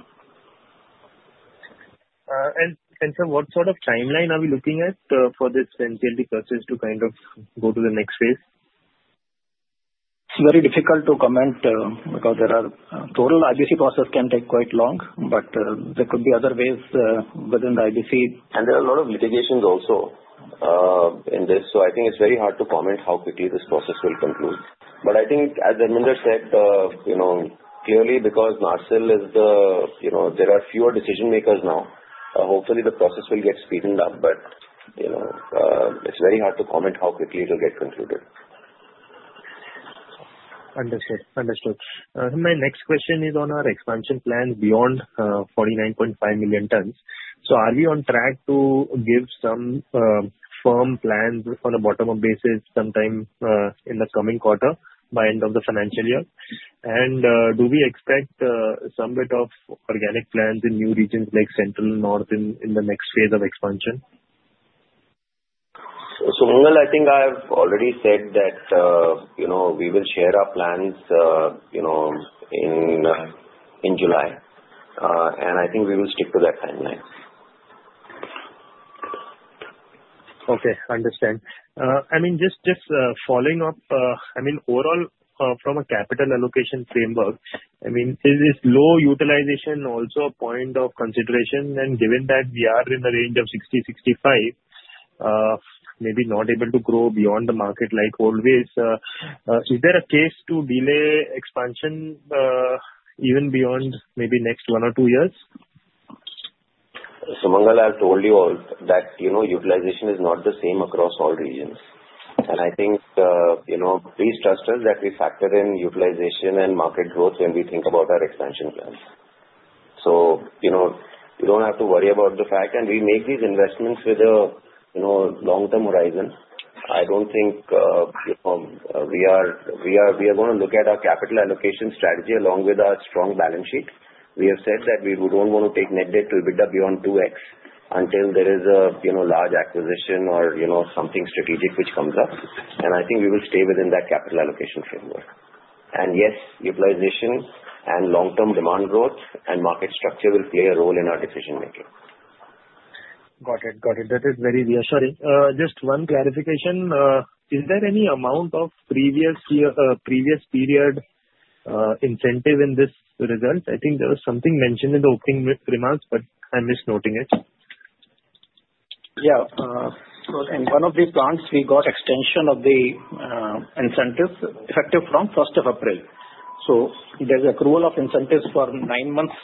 What sort of timeline are we looking at for this NCLT purchase to kind of go to the next phase? It's very difficult to comment because the total IBC process can take quite long, but there could be other ways within the IBC. There are a lot of litigations also in this. So I think it's very hard to comment how quickly this process will conclude. But I think, as Amit said, clearly, because NARCL is there, there are fewer decision-makers now, hopefully, the process will get speeded up. But it's very hard to comment how quickly it will get concluded. Understood. Understood. My next question is on our expansion plans beyond 49.5 million tons. So are we on track to give some firm plans on a bottom-up basis sometime in the coming quarter by end of the financial year? And do we expect some bit of organic plans in new regions like Central, North in the next phase of expansion? So Sumangal, I think I've already said that we will share our plans in July. And I think we will stick to that timeline. Okay. Understood. I mean, just following up, I mean, overall, from a capital allocation framework, I mean, is low utilization also a point of consideration? And given that we are in the range of 60%-65%, maybe not able to grow beyond the market like always, is there a case to delay expansion even beyond maybe next one or two years? Sumangal, I've told you all that utilization is not the same across all regions. And I think please trust us that we factor in utilization and market growth when we think about our expansion plans. So you don't have to worry about the fact. And we make these investments with a long-term horizon. I don't think we are going to look at our capital allocation strategy along with our strong balance sheet. We have said that we don't want to take net debt to EBITDA beyond 2X until there is a large acquisition or something strategic which comes up. And I think we will stay within that capital allocation framework. And yes, utilization and long-term demand growth and market structure will play a role in our decision-making. Got it. Got it. That is very reassuring. Just one clarification. Is there any amount of previous period incentive in this result? I think there was something mentioned in the opening remarks, but I missed noting it. Yeah. So in one of the plants, we got extension of the incentives effective from 1st of April. So there's accrual of incentives for nine months.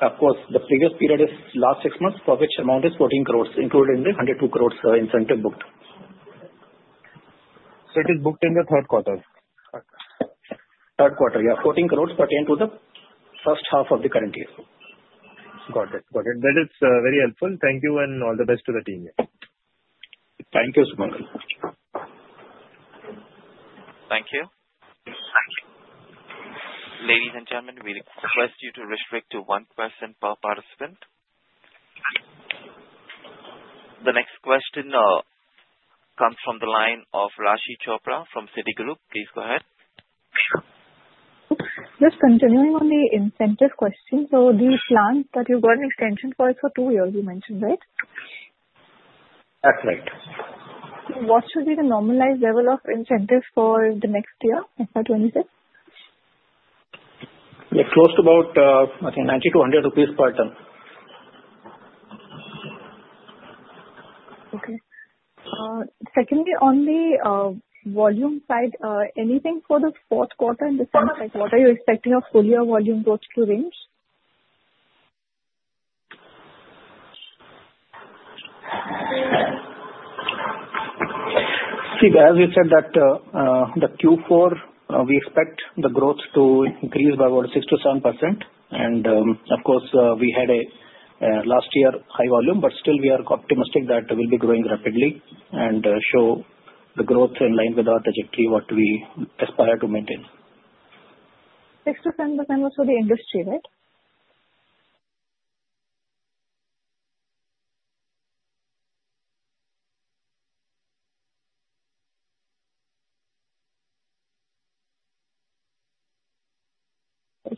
Of course, the previous period is last six months, for which amount is 14 crores included in the 102 crores incentive booked. So it is booked in the third quarter? Third quarter, yeah. 14 crores pertain to the first half of the current year. Got it. Got it. That is very helpful. Thank you and all the best to the team. Thank you, Sumangal. Thank you. Thank you. Ladies and gentlemen, we request you to restrict to one person per participant. The next question comes from the line of Raashi Chopra from Citi. Please go ahead. Yes. Continuing on the incentive question. So the plans that you got an extension for is for two years, you mentioned, right? That's right. What should be the normalized level of incentives for the next year, FY26? Close to about, I think, 90-100 rupees per ton. Okay. Secondly, on the volume side, anything for the fourth quarter in December? What are you expecting of earlier volume growth to range? See, as you said, that Q4, we expect the growth to increase by about 6%-7%. And of course, we had a last year high volume, but still, we are optimistic that we'll be growing rapidly and show the growth in line with our trajectory, what we aspire to maintain. 6%-7% was for the industry, right?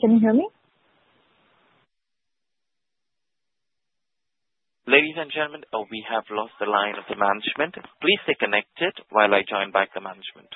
Can you hear me? Ladies and gentlemen, we have lost the line of the management. Please stay connected while I join back the management.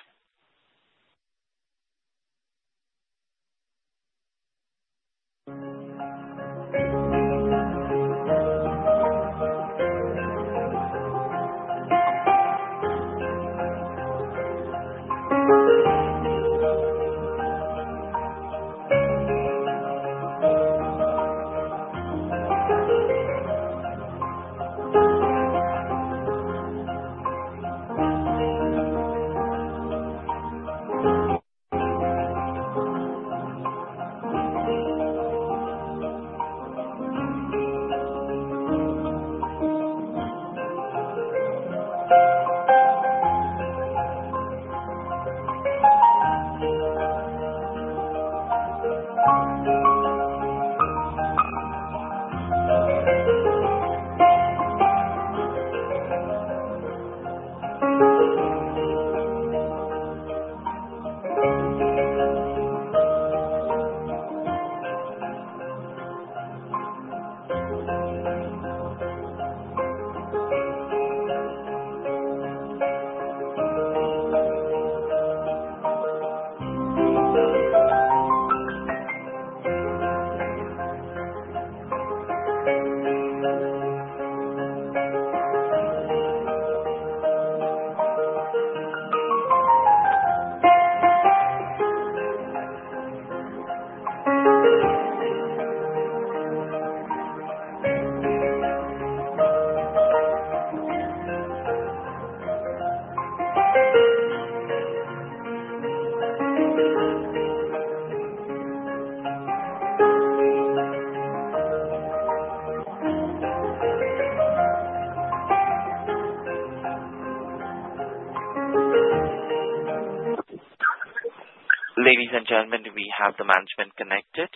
Ladies and gentlemen, we have the management connected.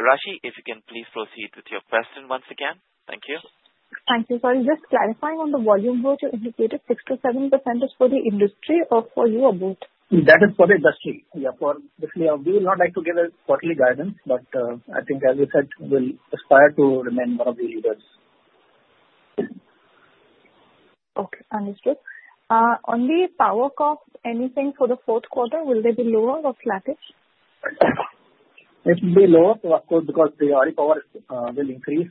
Rashi, if you can please proceed with your question once again. Thank you. Thank you. Sorry, just clarifying on the volume growth you indicated, 6%-7% is for the industry or for your both? That is for the industry. Yeah, for the fly. We would not like to give a quarterly guidance, but I think, as you said, we'll aspire to remain one of the leaders. Okay. Understood. On the power cost, anything for the fourth quarter? Will they be lower or flat? It will be lower, of course, because the RE power will increase.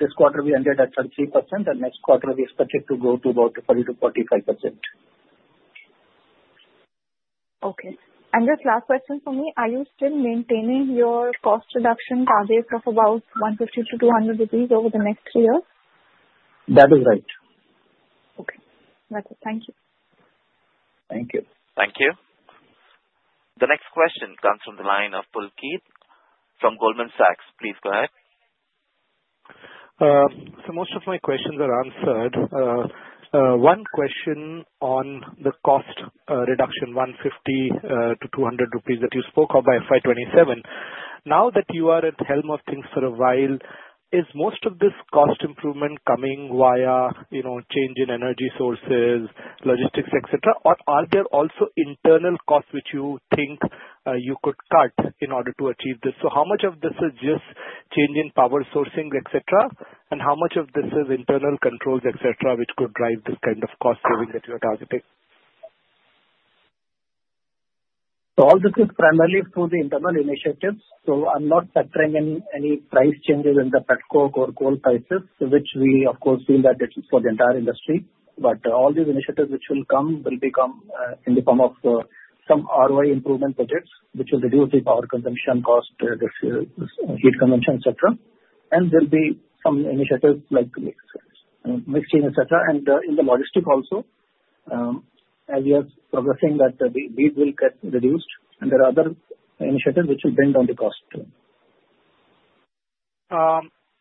This quarter, we ended at 33%, and next quarter, we expect it to go to about 40%-45%. Okay. And just last question for me. Are you still maintaining your cost reduction target of about 150-200 rupees over the next three years? That is right. Okay. Got it. Thank you. Thank you. Thank you. The next question comes from the line of Pulkit from Goldman Sachs. Please go ahead. So most of my questions are answered. One question on the cost reduction, 150-200 rupees that you spoke of by FY27. Now that you are at helm of things for a while, is most of this cost improvement coming via change in energy sources, logistics, etc.? Or are there also internal costs which you think you could cut in order to achieve this? So how much of this is just change in power sourcing, etc., and how much of this is internal controls, etc., which could drive this kind of cost saving that you are targeting? So all this is primarily through the internal initiatives. So I'm not factoring in any price changes in the petcoke or coal prices, which we, of course, deem that it is for the entire industry. But all these initiatives which will come will become in the form of some ROI improvement budgets, which will reduce the power consumption cost, heat consumption, etc. And there'll be some initiatives like mixing, etc. And in the logistics also, as you are progressing, that the lead will get reduced. And there are other initiatives which will bring down the cost too.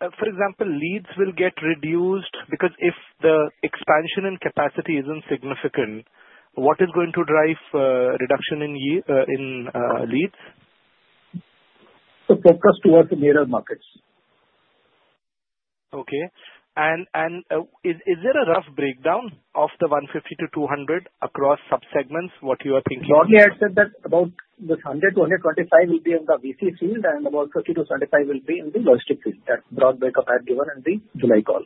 For example, leads will get reduced because if the expansion in capacity isn't significant, what is going to drive reduction in leads? So focus towards the nearer markets. Okay. And is there a rough breakdown of the 150-200 across subsegments, what you are thinking? Normally, I'd said that about this 100-125 will be in the VC field, and about 50-75 will be in the logistics field that we had given in the July call.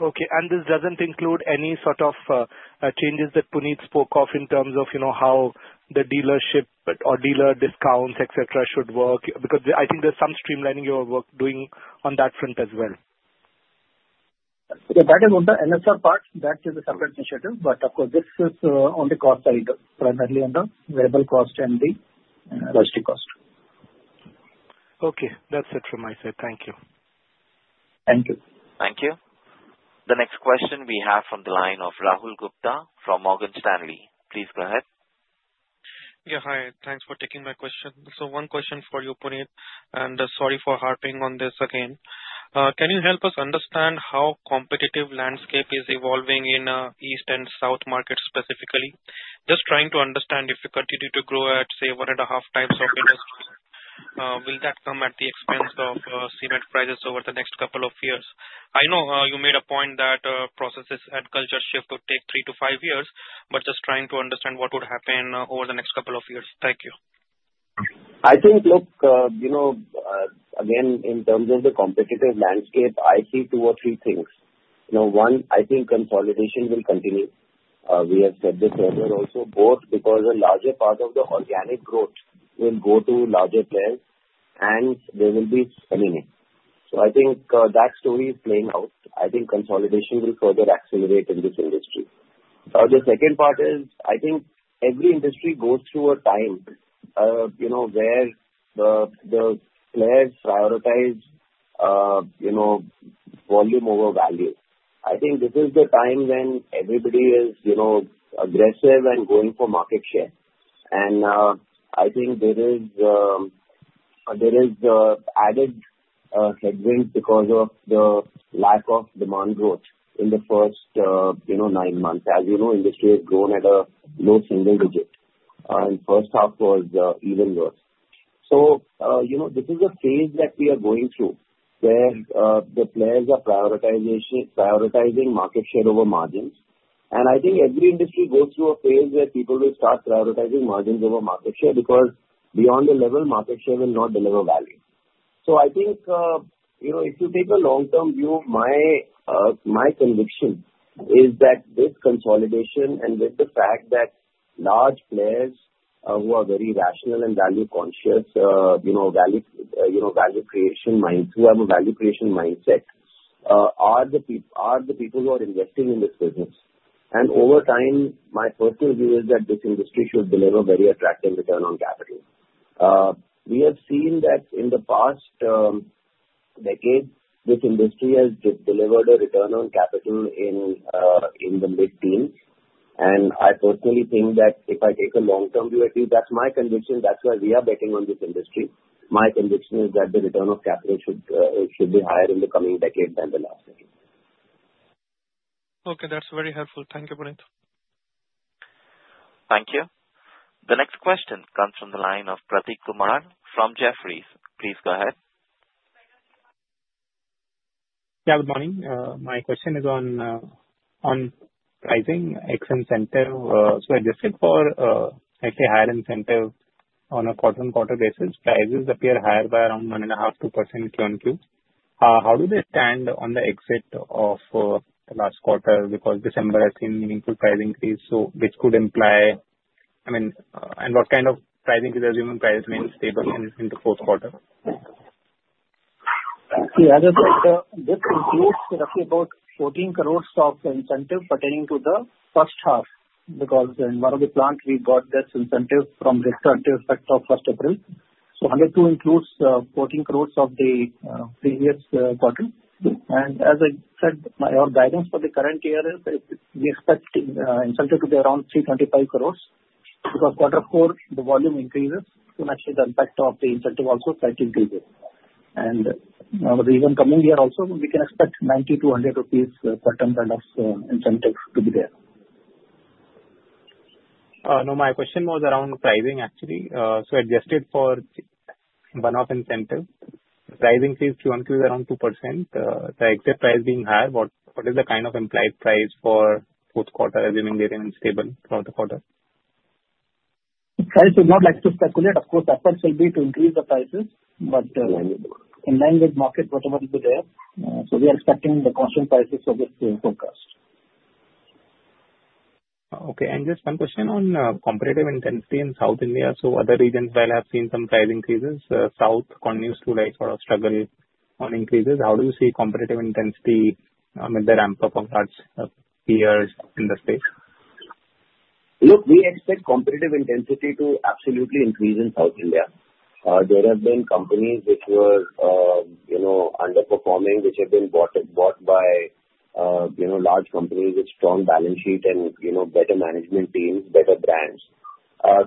Okay. And this doesn't include any sort of changes that Puneet spoke of in terms of how the dealership or dealer discounts, etc., should work? Because I think there's some streamlining you are doing on that front as well. Yeah. That is on the NSR part. That is a separate initiative. But of course, this is on the cost side, primarily on the variable cost and the logistics cost. Okay. That's it from my side. Thank you. Thank you. Thank you. The next question we have from the line of Rahul Gupta from Morgan Stanley. Please go ahead. Yeah. Hi. Thanks for taking my question. So one question for you, Puneet. And sorry for harping on this again. Can you help us understand how competitive landscape is evolving in East and South markets specifically? Just trying to understand if you continue to grow at, say, one and a half times of industry, will that come at the expense of cement prices over the next couple of years? I know you made a point that processes and culture shift would take three to five years, but just trying to understand what would happen over the next couple of years. Thank you. I think, look, again, in terms of the competitive landscape, I see two or three things. One, I think consolidation will continue. We have said this earlier also, both because a larger part of the organic growth will go to larger players, and there will be remaining. So I think that story is playing out. I think consolidation will further accelerate in this industry. The second part is, I think every industry goes through a time where the players prioritize volume over value. I think this is the time when everybody is aggressive and going for market share. And I think there is added headwinds because of the lack of demand growth in the first nine months. As you know, industry has grown at a low single digit. And first half was even worse. So this is a phase that we are going through where the players are prioritizing market share over margins. And I think every industry goes through a phase where people will start prioritizing margins over market share because beyond the level, market share will not deliver value. So I think if you take a long-term view, my conviction is that this consolidation and with the fact that large players who are very rational and value-conscious, value creation minds, who have a value creation mindset, are the people who are investing in this business. And over time, my personal view is that this industry should deliver very attractive return on capital. We have seen that in the past decade, this industry has delivered a return on capital in the mid-teens. And I personally think that if I take a long-term view, at least that's my conviction. That's why we are betting on this industry. My conviction is that the return of capital should be higher in the coming decade than the last decade. Okay. That's very helpful. Thank you, Puneet. Thank you. The next question comes from the line of Prateek Kumar from Jefferies. Please go ahead. Yeah. Good morning. My question is on rising export incentive. So I just defer, I'd say, higher incentive on a quarter-on-quarter basis. Prices appear higher by around 1.5%-2% Q2. How do they stand on the exit of the last quarter? Because December has seen meaningful price increase, which could imply, I mean, and what kind of pricing are you assuming prices remain stable into fourth quarter? Yeah. This includes roughly about 14 crore of incentive pertaining to the first half because in one of the plants, we got this incentive effective from 1st April. So 102 crore includes 14 crore of the previous quarter. And as I said, our guidance for the current year is we expect incentive to be around 325 crore because quarter four, the volume increases, and actually the impact of the incentive also slightly increases. Even coming year, also, we can expect 90-100 rupees per ton kind of incentive to be there. Now, my question was around pricing, actually. So adjusted for one-off incentive, the price increase Q2 is around 2%. The exit price being high, what is the kind of implied price for fourth quarter, assuming they remain stable throughout the quarter? I would not like to speculate. Of course, efforts will be to increase the prices, but in line with market, whatever will be there. So we are expecting the constant prices for this forecast. Okay, and just one question on competitive intensity in South India, so other regions while have seen some price increases, South continues to lag sort of struggle on increases. How do you see competitive intensity with the ramp-up of large peers in the space? Look, we expect competitive intensity to absolutely increase in South India. There have been companies which were underperforming, which have been bought by large companies with strong balance sheet and better management teams, better brands.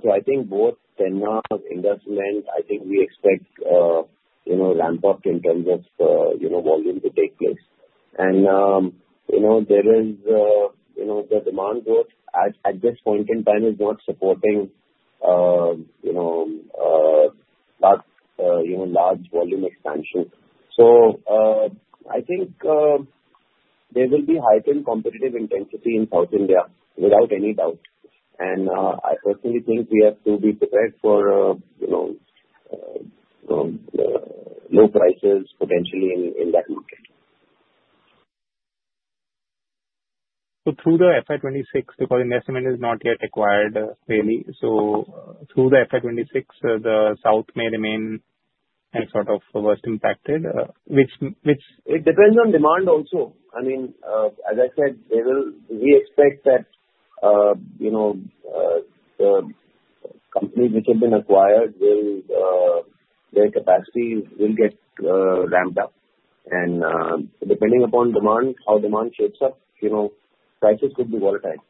So I think both Penna and India Cements, I think we expect ramp-up in terms of volume to take place. And there is the demand growth at this point in time is not supporting large volume expansion. So I think there will be heightened competitive intensity in South India, without any doubt. And I personally think we have to be prepared for low prices potentially in that market. Through the FY26, because incentives are not yet accrued fully, so through the FY26, the South may remain sort of worst impacted, which? It depends on demand also. I mean, as I said, we expect that the companies which have been acquired, their capacity will get ramped up. And depending upon demand, how demand shapes up, prices could be volatile.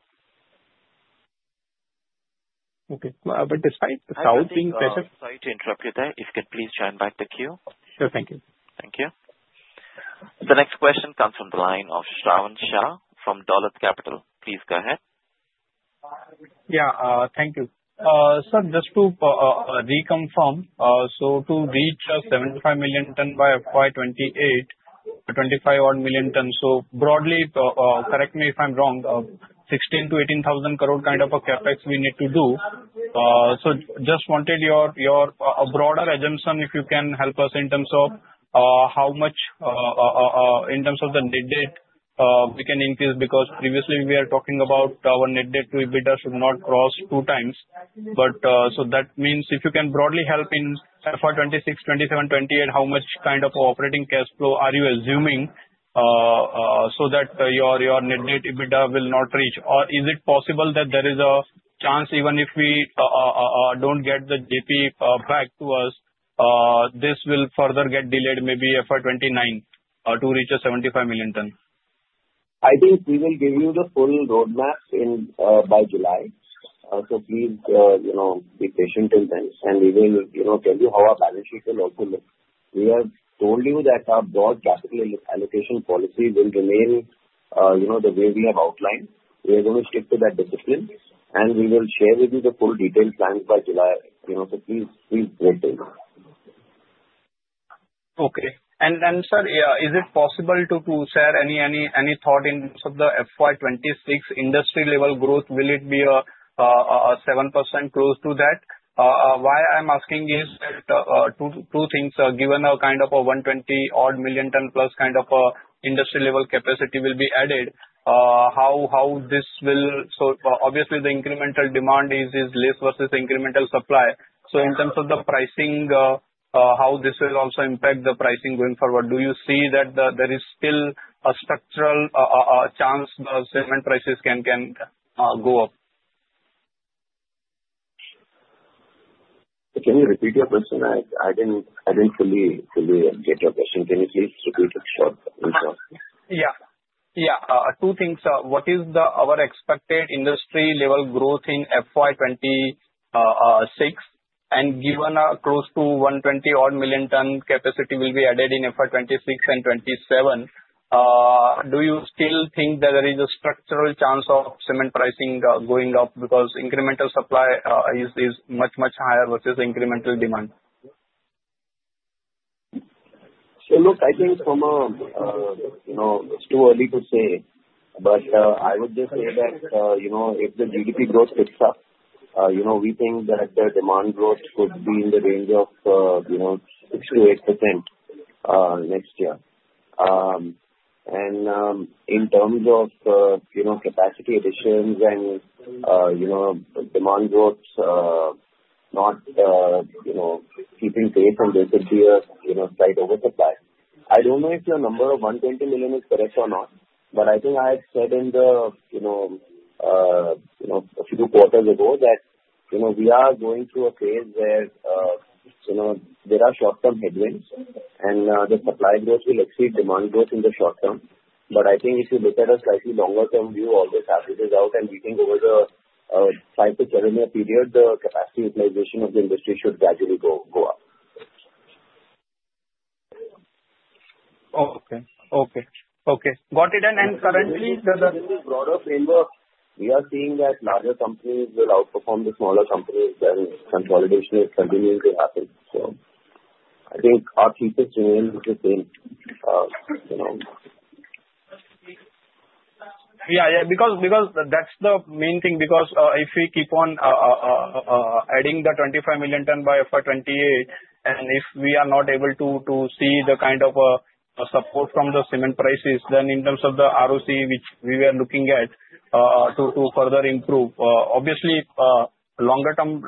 Okay, but despite the South being pressured. Sorry to interrupt you there. If you could please join back the queue. Sure. Thank you. Thank you. The next question comes from the line of Shravan Shah from Dolat Capital. Please go ahead. Yeah. Thank you. Sir, just to reconfirm, so to reach 75 million ton by FY28, 25-odd million ton. So broadly, correct me if I'm wrong, 16-18 thousand crore kind of a CapEx we need to do. So just wanted your broader assumption, if you can help us in terms of how much in terms of the Net Debt we can increase, because previously we were talking about our Net Debt EBITDA should not cross 2x. But so that means if you can broadly help in FY26, 27, 28, how much kind of operating cash flow are you assuming so that your Net Debt EBITDA will not reach? Or is it possible that there is a chance even if we don't get the JP back to us, this will further get delayed maybe FY29 to reach a 75 million ton? I think we will give you the full roadmap by July, so please be patient till then, and we will tell you how our balance sheet will also look. We have told you that our broad capital allocation policy will remain the way we have outlined. We are going to stick to that discipline, and we will share with you the full detailed plans by July, so please wait till then. Okay. And then, sir, is it possible to share any thought in terms of the FY26 industry-level growth? Will it be a 7% close to that? Why I'm asking is that two things. Given a kind of a 120-odd million ton+ kind of industry-level capacity will be added, how this will obviously the incremental demand is less versus incremental supply. So in terms of the pricing, how this will also impact the pricing going forward? Do you see that there is still a structural chance the cement prices can go up? Can you repeat your question? I didn't fully get your question. Can you please repeat it short? Yeah. Yeah. Two things. What is our expected industry-level growth in FY26? And given close to 120-odd million ton capacity will be added in FY26 and 27, do you still think that there is a structural change of cement pricing going up because incremental supply is much, much higher versus incremental demand? So look, I think from a it's too early to say, but I would just say that if the GDP growth picks up, we think that the demand growth could be in the range of 6%-8% next year. And in terms of capacity additions and demand growth not keeping pace and there could be a slight over supply, I don't know if your number of 120 million is correct or not, but I think I had said in a few quarters ago that we are going through a phase where there are short-term headwinds and the supply growth will exceed demand growth in the short term. But I think if you look at a slightly longer-term view, all this averages out, and we think over the 5-7-year period, the capacity utilization of the industry should gradually go up. Oh, okay. Got it. And currently, the. With the broader framework, we are seeing that larger companies will outperform the smaller companies as consolidation is continuing to happen. So I think our thesis remains the same. Yeah. Yeah. Because that's the main thing. Because if we keep on adding the 25 million tons by FY28, and if we are not able to see the kind of support from the cement prices, then in terms of the ROC, which we were looking at to further improve, obviously, longer-term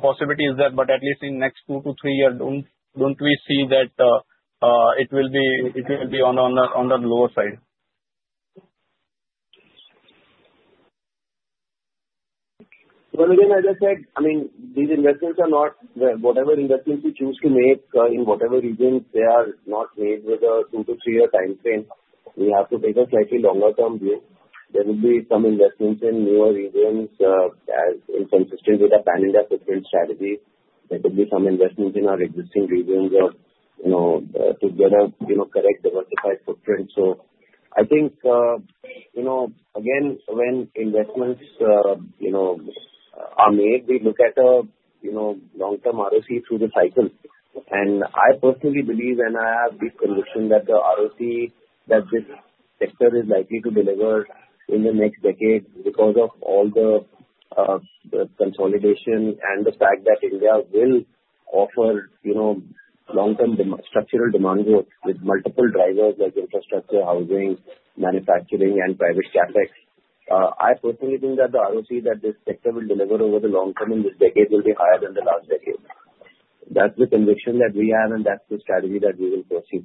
possibility is that, but at least in the next two to three years, don't we see that it will be on the lower side? Again, as I said, I mean, these investments are not whatever investments we choose to make in whatever region, they are not made with a two to three-year time frame. We have to take a slightly longer-term view. There will be some investments in newer regions as is consistent with a pan-India footprint strategy. There could be some investments in our existing regions to better correct the diversified footprint. I think, again, when investments are made, we look at a long-term ROC through the cycle. I personally believe, and I have deep conviction that the ROC that this sector is likely to deliver in the next decade because of all the consolidation and the fact that India will offer long-term structural demand growth with multiple drivers like infrastructure, housing, manufacturing, and private CapEx. I personally think that the ROC that this sector will deliver over the long term in this decade will be higher than the last decade. That's the conviction that we have, and that's the strategy that we will pursue.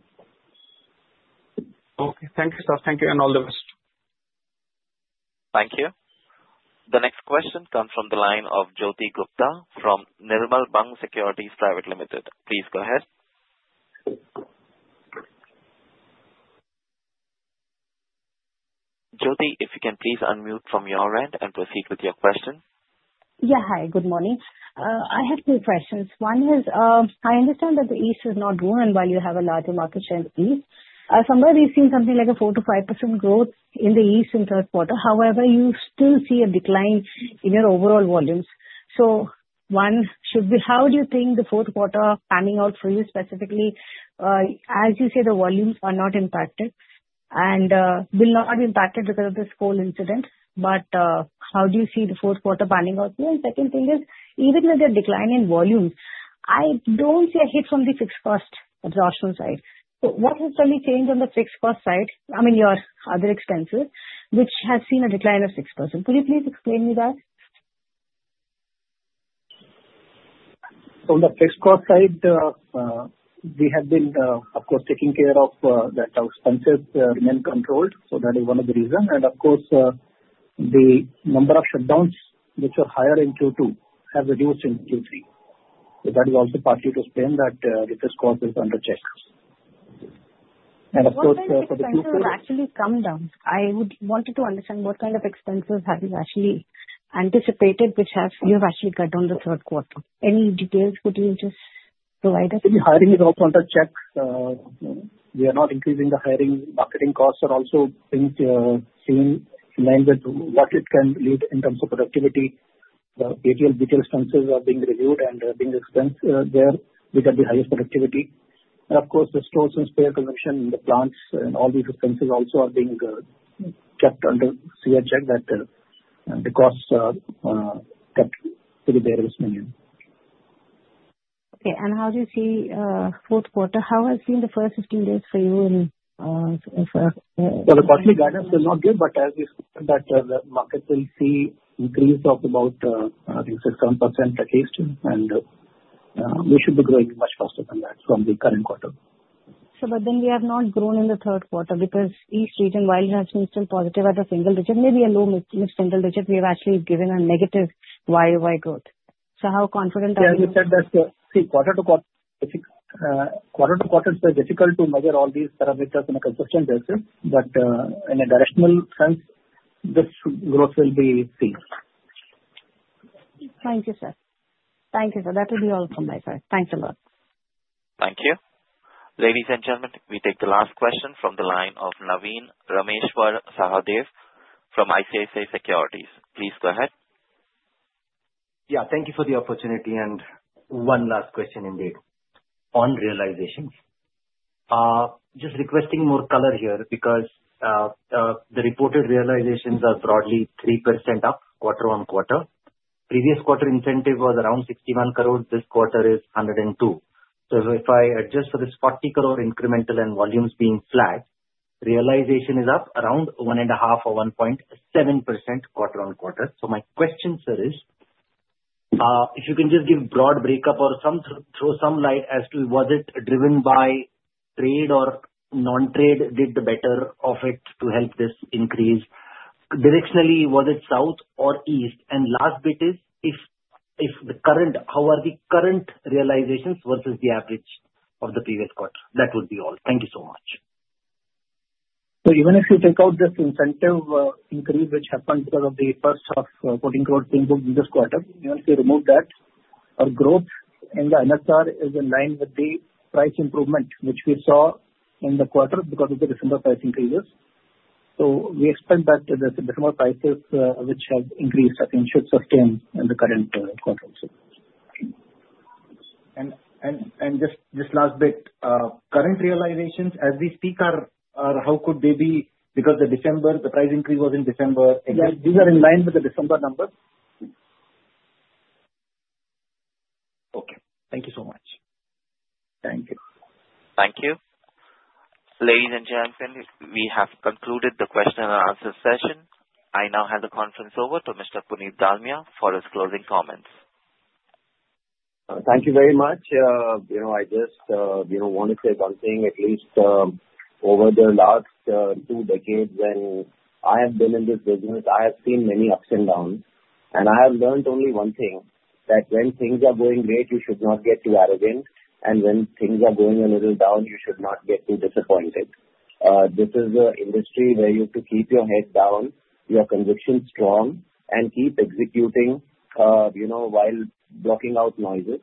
Okay. Thank you, sir. Thank you, and all the best. Thank you. The next question comes from the line of Jyoti Gupta from Nirmal Bang Securities Private Limited. Please go ahead. Jyoti, if you can please unmute from your end and proceed with your question. Yeah. Hi. Good morning. I have two questions. One is, I understand that the East is not ruined while you have a larger market share in the East. Somewhere, we've seen something like a 4%-5% growth in the East in the third quarter. However, you still see a decline in your overall volumes. So one, how do you think the fourth quarter panning out for you specifically? As you say, the volumes are not impacted and will not be impacted because of this whole incident. But how do you see the fourth quarter panning out? And second thing is, even with the decline in volumes, I don't see a hit from the fixed cost absorption side. So what has suddenly changed on the fixed cost side? I mean, your other expenses, which have seen a decline of 6%. Could you please explain me that? From the fixed cost side, we have been, of course, taking care of that our expenses remain controlled. So that is one of the reasons. And of course, the number of shutdowns, which are higher in Q2, have reduced in Q3. So that is also partly to explain that this cost is under check. And of course, for the Q4. How did the shutdowns actually come down? I wanted to understand what kind of expenses have you actually anticipated, which you have actually cut down the third quarter? Any details could you just provide us? The hiring is also under check. We are not increasing the hiring. Marketing costs are also being seen in line with what it can lead in terms of productivity. The ATL/BTL expenses are being reviewed and being expensed there, which are the highest productivity, and of course, the stores and spare consumption in the plants and all these expenses also are being kept under severe check that the costs are kept to the barest minimum. Okay. And how do you see fourth quarter? How has been the first 15 days for you in? The quarterly guidance will not give, but as you said, that the market will see an increase of about six%-seven% at least. We should be growing much faster than that from the current quarter. Sir, but then we have not grown in the third quarter because East region, while it has been still positive at a single digit, maybe a low mid-single digit, we have actually given a negative YOY growth. So how confident are you? Yeah. As you said, that's the key, quarter to quarter, it's difficult to measure all these parameters on a consistent basis. But in a directional sense, this growth will be seen. Thank you, sir. Thank you, sir. That will be all from my side. Thanks a lot. Thank you. Ladies and gentlemen, we take the last question from the line of Navin Sahadeo from ICICI Securities. Please go ahead. Yeah. Thank you for the opportunity. And one last question indeed on realizations. Just requesting more color here because the reported realizations are broadly 3% up quarter on quarter. Previous quarter incentive was around 61 crore. This quarter is 102. So if I adjust for this 40 crore incremental and volumes being flat, realization is up around 1.5 or 1.7% quarter on quarter. So my question, sir, is if you can just give a broad breakup or throw some light as to was it driven by trade or non-trade did the better of it to help this increase? Directionally, was it south or east? And last bit is, how are the current realizations versus the average of the previous quarter? That would be all. Thank you so much. So even if you take out this incentive increase, which happened because of the first half of quarter in this quarter, even if you remove that, our growth in the NSR is in line with the price improvement, which we saw in the quarter because of the December price increases. So we expect that the December prices, which have increased, I think should sustain in the current quarter also. Just last bit, current realizations as we speak, how could they be? Because the December, the price increase was in December. Yeah. These are in line with the December numbers. Okay. Thank you so much. Thank you. Thank you. Ladies and gentlemen, we have concluded the question and answer session. I now hand the conference over to Mr. Puneet Dalmia for his closing comments. Thank you very much. I just want to say one thing. At least over the last two decades, when I have been in this business, I have seen many ups and downs, and I have learned only one thing, that when things are going great, you should not get too arrogant, and when things are going a little down, you should not get too disappointed. This is an industry where you have to keep your head down, your conviction strong, and keep executing while blocking out noises,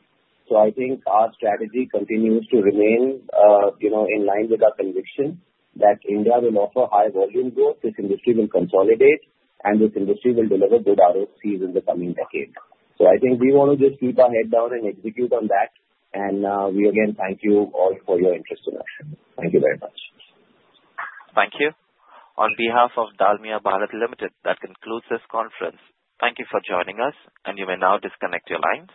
so I think our strategy continues to remain in line with our conviction that India will offer high volume growth, this industry will consolidate, and this industry will deliver good ROCs in the coming decade. So I think we want to just keep our head down and execute on that, and we, again, thank you all for your interest in us. Thank you very much. Thank you. On behalf of Dalmia Bharat Limited, that concludes this conference. Thank you for joining us, and you may now disconnect your lines.